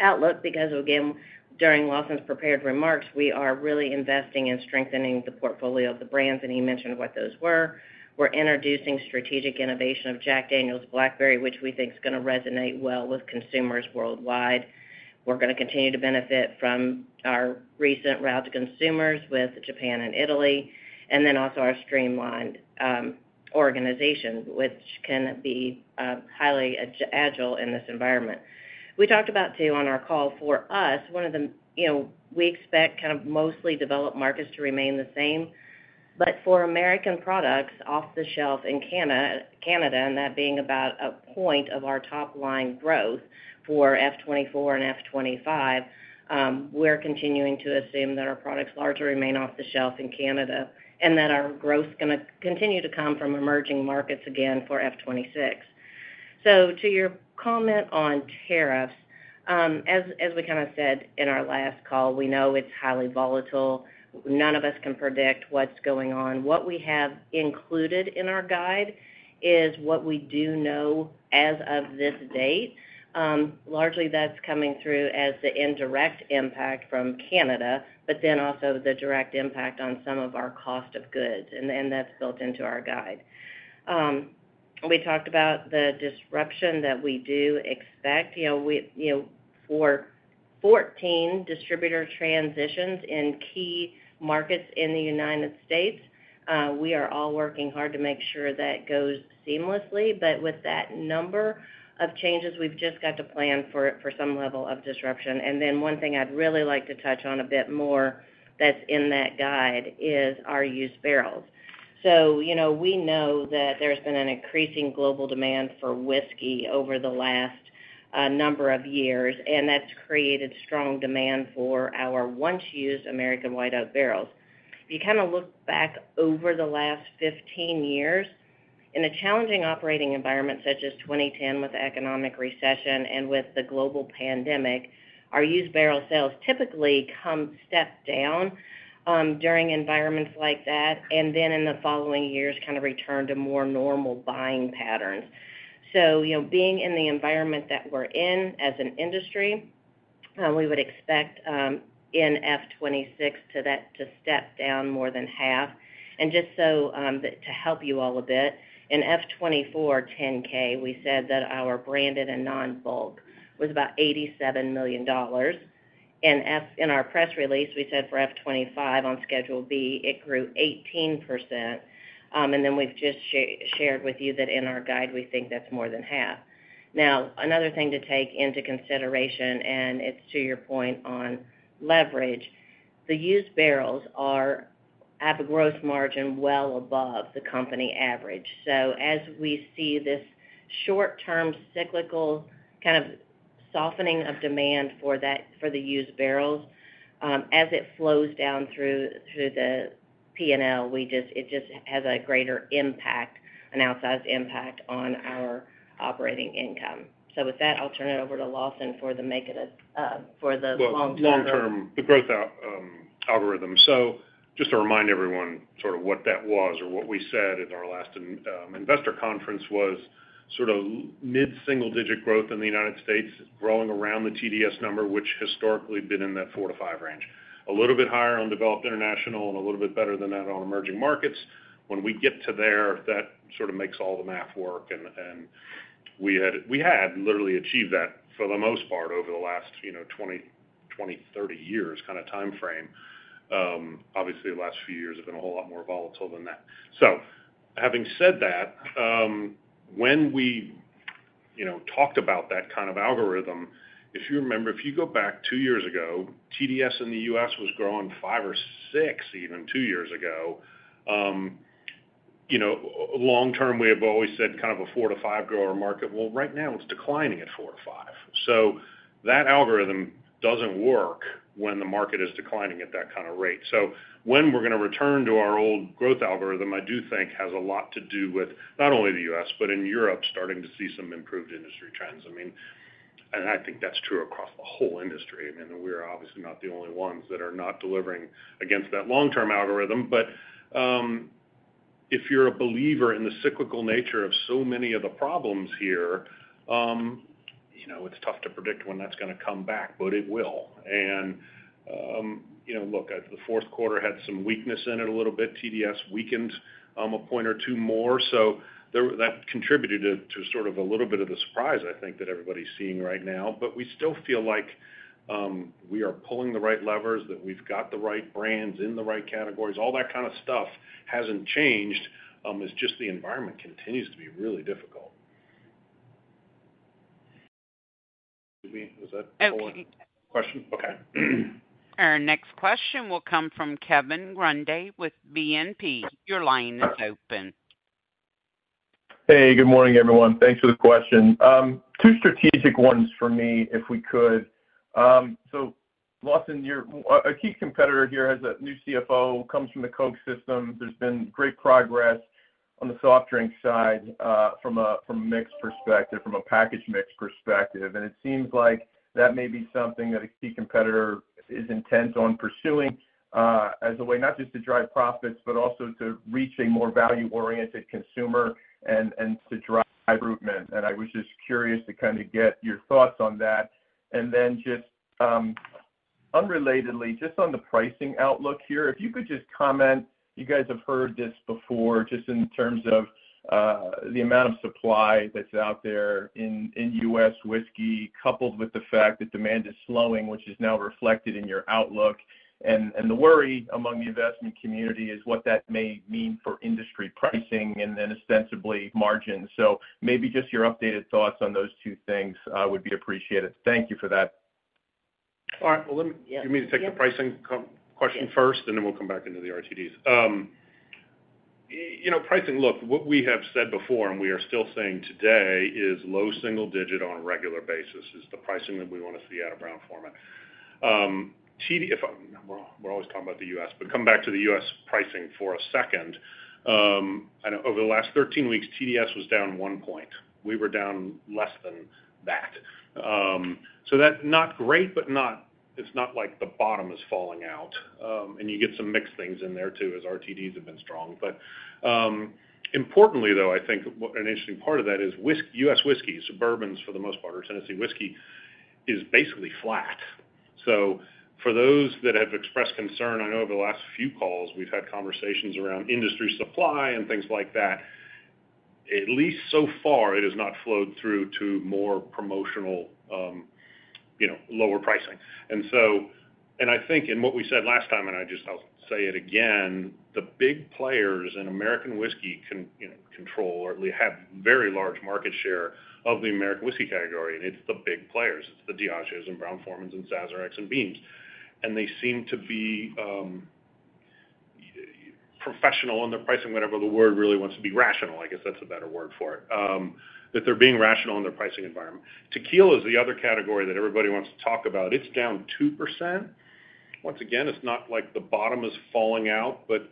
outlook because, again, during Lawson's prepared remarks, we are really investing in strengthening the portfolio of the brands. He mentioned what those were. We are introducing strategic innovation of Jack Daniel's Tennessee Blackberry, which we think is going to resonate well with consumers worldwide. We're going to continue to benefit from our recent route to consumers with Japan and Italy, and then also our streamlined organization, which can be highly agile in this environment. We talked about too on our call for us, one of the we expect kind of mostly developed markets to remain the same. For American products off the shelf in Canada, and that being about a point of our top-line growth for F2024 and F2025, we're continuing to assume that our products largely remain off the shelf in Canada and that our growth is going to continue to come from emerging markets again for F2026. To your comment on tariffs, as we kind of said in our last call, we know it's highly volatile. None of us can predict what's going on. What we have included in our guide is what we do know as of this date. Largely, that's coming through as the indirect impact from Canada, but then also the direct impact on some of our cost of goods. That's built into our guide. We talked about the disruption that we do expect. For 14 distributor transitions in key markets in the United States, we are all working hard to make sure that goes seamlessly. With that number of changes, we've just got to plan for some level of disruption. One thing I'd really like to touch on a bit more that's in that guide is our used barrels. We know that there's been an increasing global demand for whiskey over the last number of years, and that's created strong demand for our once-used American White Oak barrels. If you kind of look back over the last 15 years, in a challenging operating environment such as 2010 with the economic recession and with the global pandemic, our used barrel sales typically come step down during environments like that, and then in the following years, kind of return to more normal buying patterns. Being in the environment that we're in as an industry, we would expect in F26 to step down more than half. Just to help you all a bit, in F24 10K, we said that our branded and non-bulk was about $87 million. In our press release, we said for F25 on schedule B, it grew 18%. We have just shared with you that in our guide, we think that's more than half. Now, another thing to take into consideration, and it's to your point on leverage, the used barrels have a gross margin well above the company average. As we see this short-term cyclical kind of softening of demand for the used barrels, as it flows down through the P&L, it just has a greater impact, an outsized impact on our operating income. With that, I'll turn it over to Lawson for the make it for the long-term. The growth algorithm. Just to remind everyone sort of what that was or what we said at our last investor conference was sort of mid-single-digit growth in the United States, rolling around the TDS number, which historically had been in that 4-5 range. A little bit higher on developed international and a little bit better than that on emerging markets. When we get to there, that sort of makes all the math work. And we had literally achieved that for the most part over the last 20, 30 years kind of time frame. Obviously, the last few years have been a whole lot more volatile than that. Having said that, when we talked about that kind of algorithm, if you remember, if you go back two years ago, TDS in the U.S. was growing 5% or 6% even two years ago. Long-term, we have always said kind of a 4%-5% grower market. Right now, it is declining at 4%-5%. That algorithm does not work when the market is declining at that kind of rate. When we're going to return to our old growth algorithm, I do think it has a lot to do with not only the U.S., but in Europe, starting to see some improved industry trends. I mean, I think that's true across the whole industry. I mean, we're obviously not the only ones that are not delivering against that long-term algorithm. If you're a believer in the cyclical nature of so many of the problems here, it's tough to predict when that's going to come back, but it will. Look, the fourth quarter had some weakness in it a little bit. TDS weakened a point or two more. That contributed to sort of a little bit of the surprise, I think, that everybody's seeing right now. We still feel like we are pulling the right levers, that we've got the right brands in the right categories. All that kind of stuff has not changed. It is just the environment continues to be really difficult. Was that a question? Okay. Our next question will come from Kevin Grundy with BNP. Your line is open. Hey, good morning, everyone. Thanks for the question. Two strategic ones for me, if we could. Lawson, a key competitor here has a new CFO, comes from the Coke system. There has been great progress on the soft drink side from a mix perspective, from a package mix perspective. It seems like that may be something that a key competitor is intent on pursuing as a way, not just to drive profits, but also to reach a more value-oriented consumer and to drive recruitment. I was just curious to kind of get your thoughts on that. And then just unrelatedly, just on the pricing outlook here, if you could just comment, you guys have heard this before, just in terms of the amount of supply that's out there in U.S. whiskey, coupled with the fact that demand is slowing, which is now reflected in your outlook. The worry among the investment community is what that may mean for industry pricing and then ostensibly margins. Maybe just your updated thoughts on those two things would be appreciated. Thank you for that. All right. Let me take the pricing question first, and then we'll come back into the RTDs. Pricing, look, what we have said before, and we are still saying today, is low single-digit on a regular basis is the pricing that we want to see out of Brown-Forman. We're always talking about the U.S., but come back to the U.S. Pricing for a second. Over the last 13 weeks, TDS was down one point. We were down less than that. That's not great, but it's not like the bottom is falling out. You get some mixed things in there too as RTDs have been strong. Importantly, though, I think an interesting part of that is U.S. whiskey, suburbans for the most part, or Tennessee whiskey, is basically flat. For those that have expressed concern, I know over the last few calls, we've had conversations around industry supply and things like that. At least so far, it has not flowed through to more promotional lower pricing. I think in what we said last time, and I'll say it again, the big players in American whiskey control or at least have very large market share of the American whiskey category. It's the big players. It's the Diageos and Brown-Formans and Sazerac and Beams. They seem to be professional in their pricing, whatever the word really wants to be, rational, I guess that's a better word for it, that they're being rational in their pricing environment. Tequila is the other category that everybody wants to talk about. It's down 2%. Once again, it's not like the bottom is falling out, but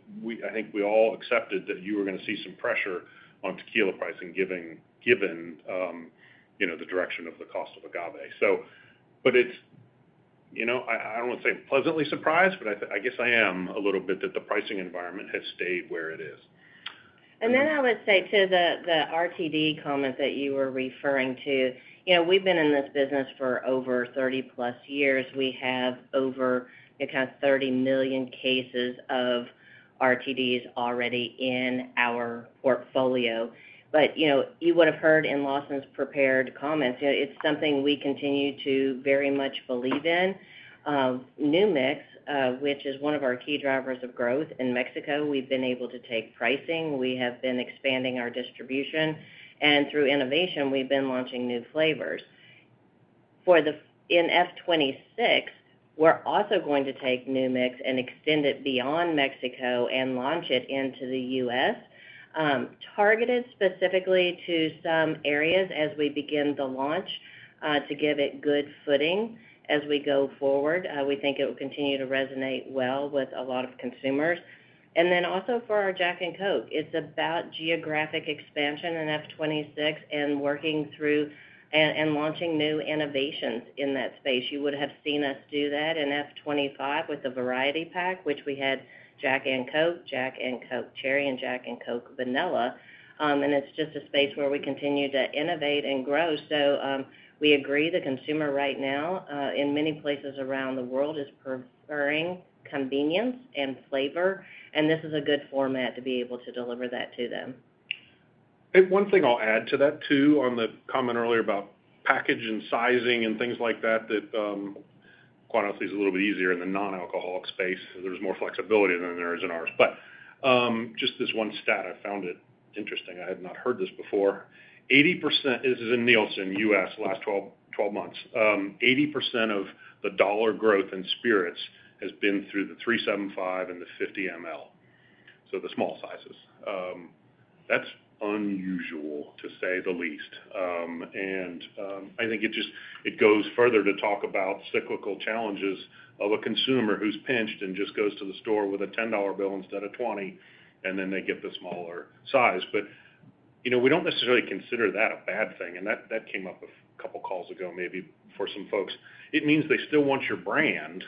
I think we all accepted that you were going to see some pressure on tequila pricing given the direction of the cost of agave. I do not want to say pleasantly surprised, but I guess I am a little bit that the pricing environment has stayed where it is. I would say to the RTD comment that you were referring to, we've been in this business for over 30 plus years. We have over 30 million cases of RTDs already in our portfolio. You would have heard in Lawson's prepared comments, it's something we continue to very much believe in. New Mix, which is one of our key drivers of growth in Mexico, we've been able to take pricing. We have been expanding our distribution. Through innovation, we've been launching new flavors. In F2026, we're also going to take New Mix and extend it beyond Mexico and launch it into the U.S., targeted specifically to some areas as we begin the launch to give it good footing as we go forward. We think it will continue to resonate well with a lot of consumers. For our Jack and Coke, it's about geographic expansion in F2026 and working through and launching new innovations in that space. You would have seen us do that in F25 with the variety pack, which we had Jack and Coke, Jack and Coke Cherry, and Jack and Coke Vanilla. It is just a space where we continue to innovate and grow. We agree the consumer right now, in many places around the world, is preferring convenience and flavor. This is a good format to be able to deliver that to them. One thing I'll add to that too on the comment earlier about package and sizing and things like that, that Quantos is a little bit easier in the non-alcoholic space. There is more flexibility than there is in ours. Just this one stat I found interesting. I had not heard this before. 80%, this is in Nielsen, U.S., last 12 months. 80% of the dollar growth in spirits has been through the 375 mL and the 50 mL, so the small sizes. That is unusual to say the least. I think it goes further to talk about cyclical challenges of a consumer who is pinched and just goes to the store with a $10 bill instead of $20, and then they get the smaller size. We do not necessarily consider that a bad thing. That came up a couple of calls ago, maybe for some folks. It means they still want your brand.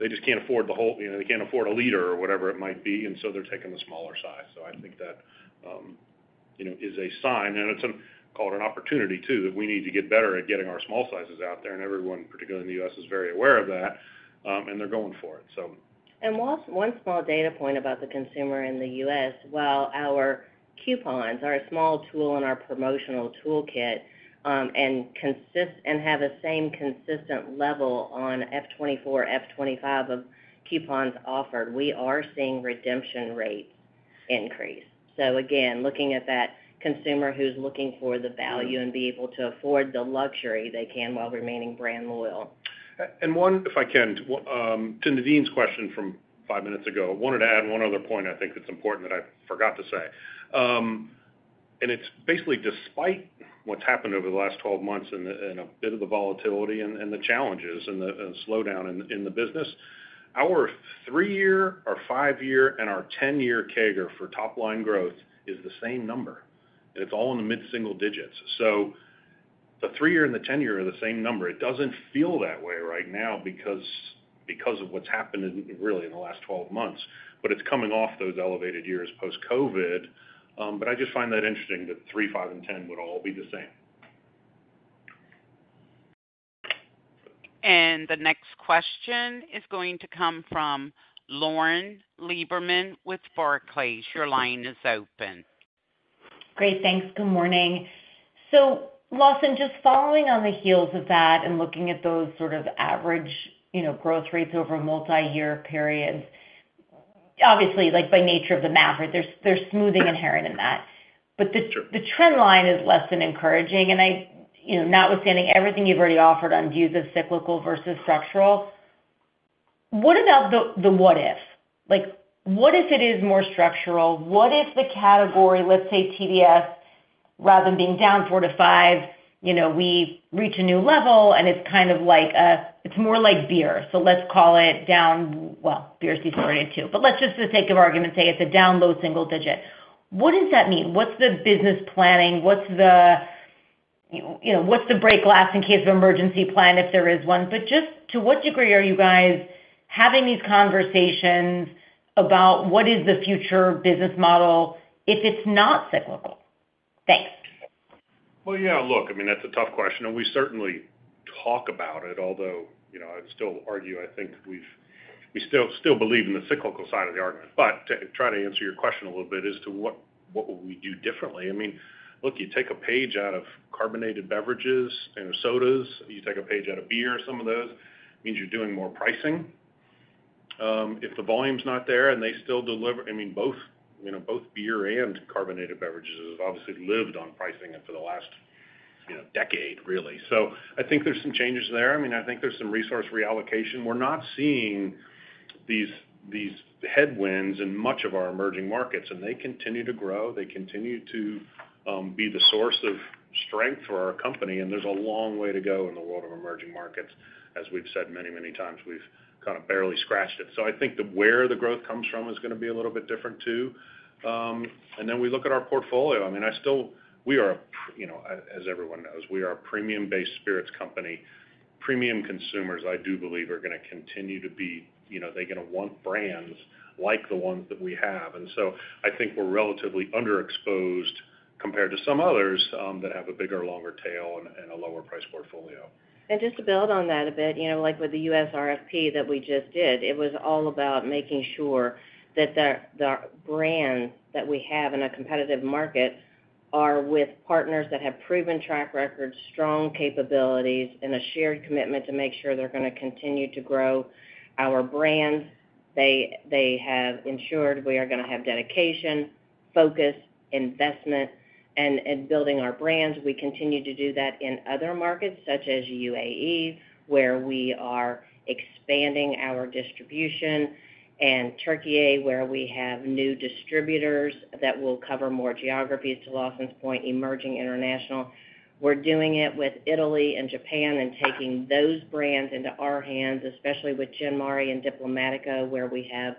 They just cannot afford the whole, they cannot afford a liter or whatever it might be, and so they are taking the smaller size. I think that is a sign. It is called an opportunity too, that we need to get better at getting our small sizes out there. Everyone, particularly in the U.S., is very aware of that. They're going for it. One small data point about the consumer in the U.S. While our coupons are a small tool in our promotional toolkit and have a same consistent level on F24, F25 of coupons offered, we are seeing redemption rates increase. Again, looking at that consumer who's looking for the value and be able to afford the luxury they can while remaining brand loyal. If I can, to Naveen's question from five minutes ago, I wanted to add one other point I think is important that I forgot to say. It's basically despite what's happened over the last 12 months and a bit of the volatility and the challenges and the slowdown in the business, our three-year or five-year and our ten-year CAGR for top-line growth is the same number. It's all in the mid-single digits. The three-year and the ten-year are the same number. It does not feel that way right now because of what has happened really in the last 12 months. It is coming off those elevated years post-COVID. I just find that interesting that three, five, and ten would all be the same. The next question is going to come from Lauren Lieberman with Barclays. Your line is open. Great. Thanks. Good morning. Lawson, just following on the heels of that and looking at those sort of average growth rates over multi-year periods, obviously, by nature of the math, there is smoothing inherent in that. The trend line is less than encouraging. Notwithstanding everything you have already offered on views of cyclical versus structural, what about the what-if? What if it is more structural? What if the category, let's say TDS, rather than being down 4%-5%, we reach a new level and it's kind of like a, it's more like beer. Let's call it down, well, beer's deferred too. Just for the sake of argument, say it's a down low single digit. What does that mean? What's the business planning? What's the break glass in case of emergency plan if there is one? Just to what degree are you guys having these conversations about what is the future business model if it's not cyclical? Thanks. Yeah, look, I mean, that's a tough question. We certainly talk about it, although I'd still argue, I think we still believe in the cyclical side of the argument. To try to answer your question a little bit as to what will we do differently? I mean, look, you take a page out of carbonated beverages and sodas. You take a page out of beer, some of those. It means you're doing more pricing. If the volume's not there and they still deliver, I mean, both beer and carbonated beverages have obviously lived on pricing for the last decade, really. I think there's some changes there. I think there's some resource reallocation. We're not seeing these headwinds in much of our emerging markets. They continue to grow. They continue to be the source of strength for our company. There's a long way to go in the world of emerging markets. As we've said many, many times, we've kind of barely scratched it. I think where the growth comes from is going to be a little bit different too. Then we look at our portfolio. I mean, we are, as everyone knows, we are a premium-based spirits company. Premium consumers, I do believe, are going to continue to be, they're going to want brands like the ones that we have. I think we're relatively underexposed compared to some others that have a bigger, longer tail and a lower price portfolio. Just to build on that a bit, like with the U.S. RFP that we just did, it was all about making sure that the brands that we have in a competitive market are with partners that have proven track records, strong capabilities, and a shared commitment to make sure they're going to continue to grow our brand. They have ensured we are going to have dedication, focus, investment, and building our brands. We continue to do that in other markets such as U.A.E., where we are expanding our distribution, and Türkiye, where we have new distributors that will cover more geographies. To Lawson's point, emerging international. We're doing it with Italy and Japan and taking those brands into our hands, especially with Gin Mare and Diplomático, where we have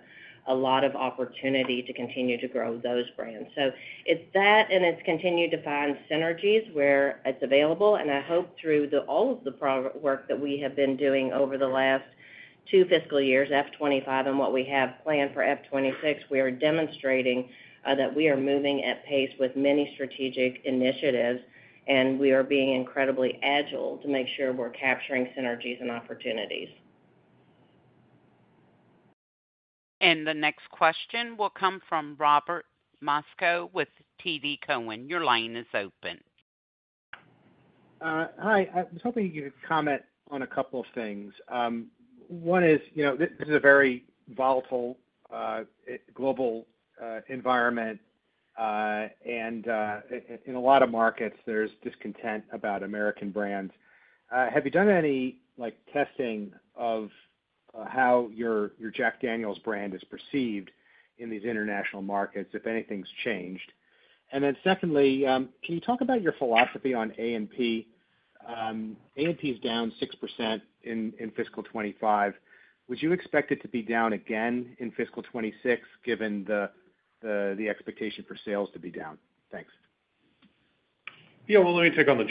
a lot of opportunity to continue to grow those brands. It is that, and it is continued to find synergies where it is available. I hope through all of the work that we have been doing over the last two fiscal years, F2025 and what we have planned for F2026, we are demonstrating that we are moving at pace with many strategic initiatives, and we are being incredibly agile to make sure we're capturing synergies and opportunities. The next question will come from Robert Moskow with TD Cowen. Your line is open. Hi. I was hoping to give a comment on a couple of things. One is this is a very volatile global environment, and in a lot of markets, there's discontent about American brands. Have you done any testing of how your Jack Daniel's brand is perceived in these international markets, if anything's changed? And then secondly, can you talk about your philosophy on A&P? A&P is down 6% in fiscal 2025. Would you expect it to be down again in fiscal 2026, given the expectation for sales to be down? Thanks. Yeah. Let me take on the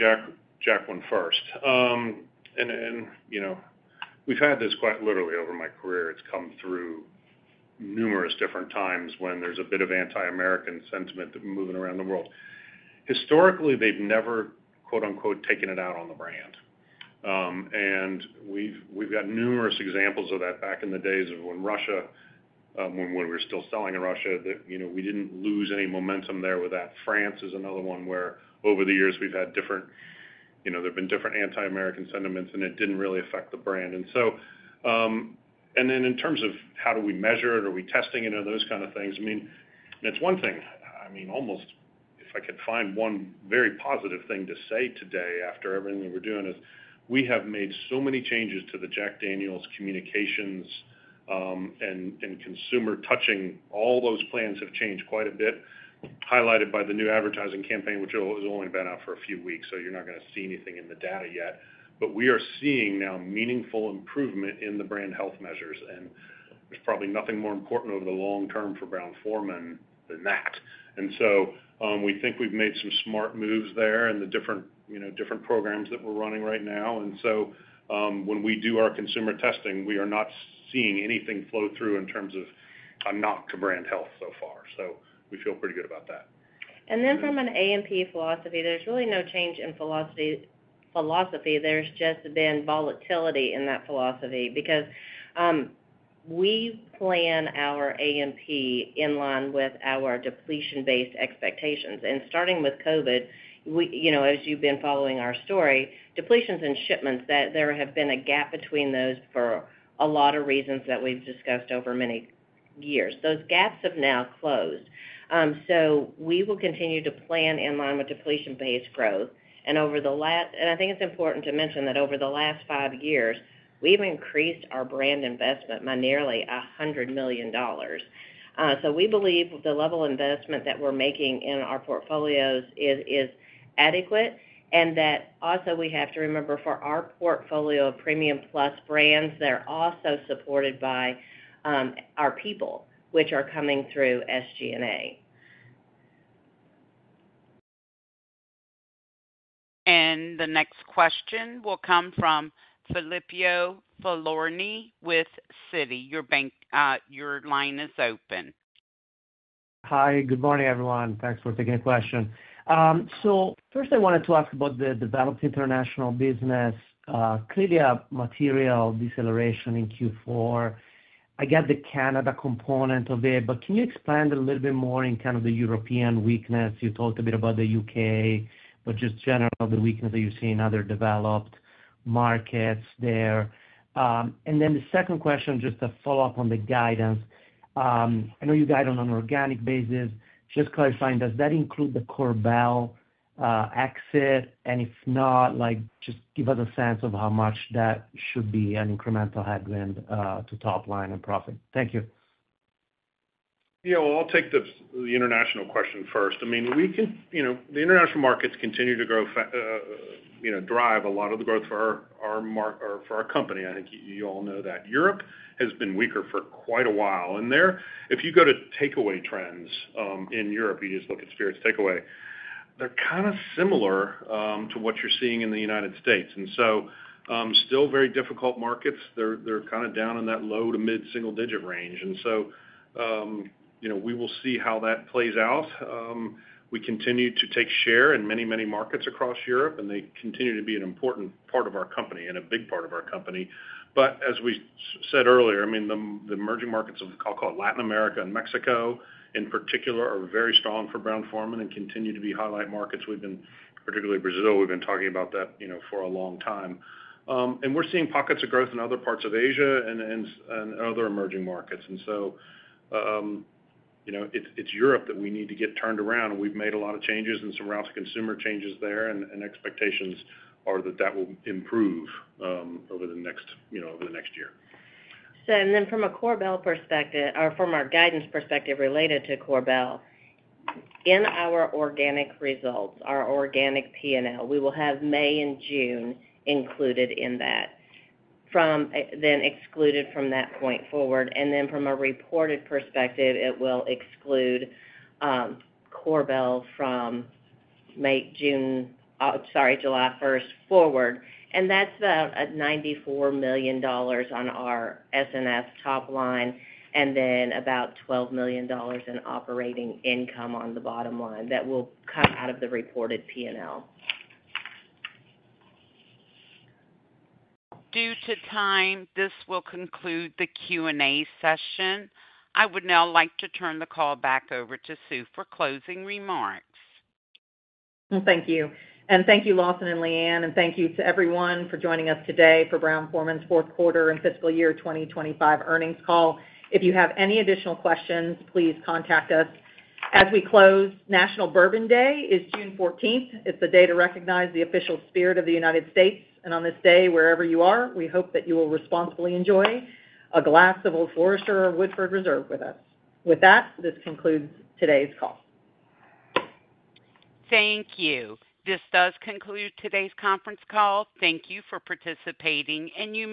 Jack one first. We've had this quite literally over my career. It's come through numerous different times when there's a bit of anti-American sentiment moving around the world. Historically, they've never "taken it out on the brand." We have numerous examples of that back in the days when we were still selling in Russia, that we did not lose any momentum there with that. France is another one where over the years, there have been different anti-American sentiments, and it did not really affect the brand. In terms of how do we measure it? Are we testing it? Are those kind of things? I mean, that is one thing. I mean, almost if I could find one very positive thing to say today after everything that we are doing is we have made so many changes to the Jack Daniel's communications and consumer touching. All those plans have changed quite a bit, highlighted by the new advertising campaign, which has only been out for a few weeks. You're not going to see anything in the data yet. We are seeing now meaningful improvement in the brand health measures. There's probably nothing more important over the long term for Brown-Forman than that. We think we've made some smart moves there in the different programs that we're running right now. When we do our consumer testing, we are not seeing anything flow through in terms of a knock to brand health so far. We feel pretty good about that. From an A&P philosophy, there's really no change in philosophy. There's just been volatility in that philosophy because we plan our A&P in line with our depletion-based expectations. Starting with COVID, as you've been following our story, depletions and shipments, there have been a gap between those for a lot of reasons that we've discussed over many years. Those gaps have now closed. We will continue to plan in line with depletion-based growth. I think it's important to mention that over the last five years, we've increased our brand investment by nearly $100 million. We believe the level of investment that we're making in our portfolios is adequate. We also have to remember for our portfolio of premium-plus brands, they're also supported by our people, which are coming through SG&A. The next question will come from Filippo Falorni with Citi. Your line is open. Hi. Good morning, everyone. Thanks for taking the question. First, I wanted to ask about the developed international business, clearly a material deceleration in Q4. I get the Canada component of it, but can you expand a little bit more in kind of the European weakness? You talked a bit about the U.K., but just generally the weakness that you see in other developed markets there. The second question, just a follow-up on the guidance. I know you guide on an organic basis. Just clarifying, does that include the Korbel exit? If not, just give us a sense of how much that should be an incremental headwind to top-line and profit. Thank you. Yeah. I'll take the international question first. I mean, the international markets continue to grow, drive a lot of the growth for our company. I think you all know that. Europe has been weaker for quite a while. If you go to takeaway trends in Europe, you just look at spirits takeaway, they're kind of similar to what you're seeing in the United States. Still very difficult markets. They're kind of down in that low to mid-single digit range. We will see how that plays out. We continue to take share in many, many markets across Europe, and they continue to be an important part of our company and a big part of our company. As we said earlier, I mean, the emerging markets of, I'll call it, Latin America and Mexico in particular are very strong for Brown-Forman and continue to be highlight markets. We've been particularly Brazil, we've been talking about that for a long time. We're seeing pockets of growth in other parts of Asia and other emerging markets. It is Europe that we need to get turned around. We've made a lot of changes and some route to consumer changes there. Expectations are that that will improve over the next year. And then from a Korbel perspective or from our guidance perspective related to Korbel, in our organic results, our organic P&L, we will have May and June included in that, then excluded from that point forward. And then from a reported perspective, it will exclude Korbel from July 1 forward. And that's F$94 million on our S&S top line and then about $12 million in operating income on the bottom line that will come out of the reported P&L. Due to time, this will conclude the Q&A session. I would now like to turn the call back over to Sue for closing remarks. Thank you. And thank you, Lawson and Leanne, and thank you to everyone for joining us today for Brown-Forman's Fourth Quarter and Fiscal Year 2025 Earnings Call. If you have any additional questions, please contact us. As we close, National Bourbon Day is June 14th. It is the day to recognize the official spirit of the United States. On this day, wherever you are, we hope that you will responsibly enjoy a glass of Old Forester or Woodford Reserve with us. With that, this concludes today's call. Thank you. This does conclude today's conference call. Thank you for participating. And you.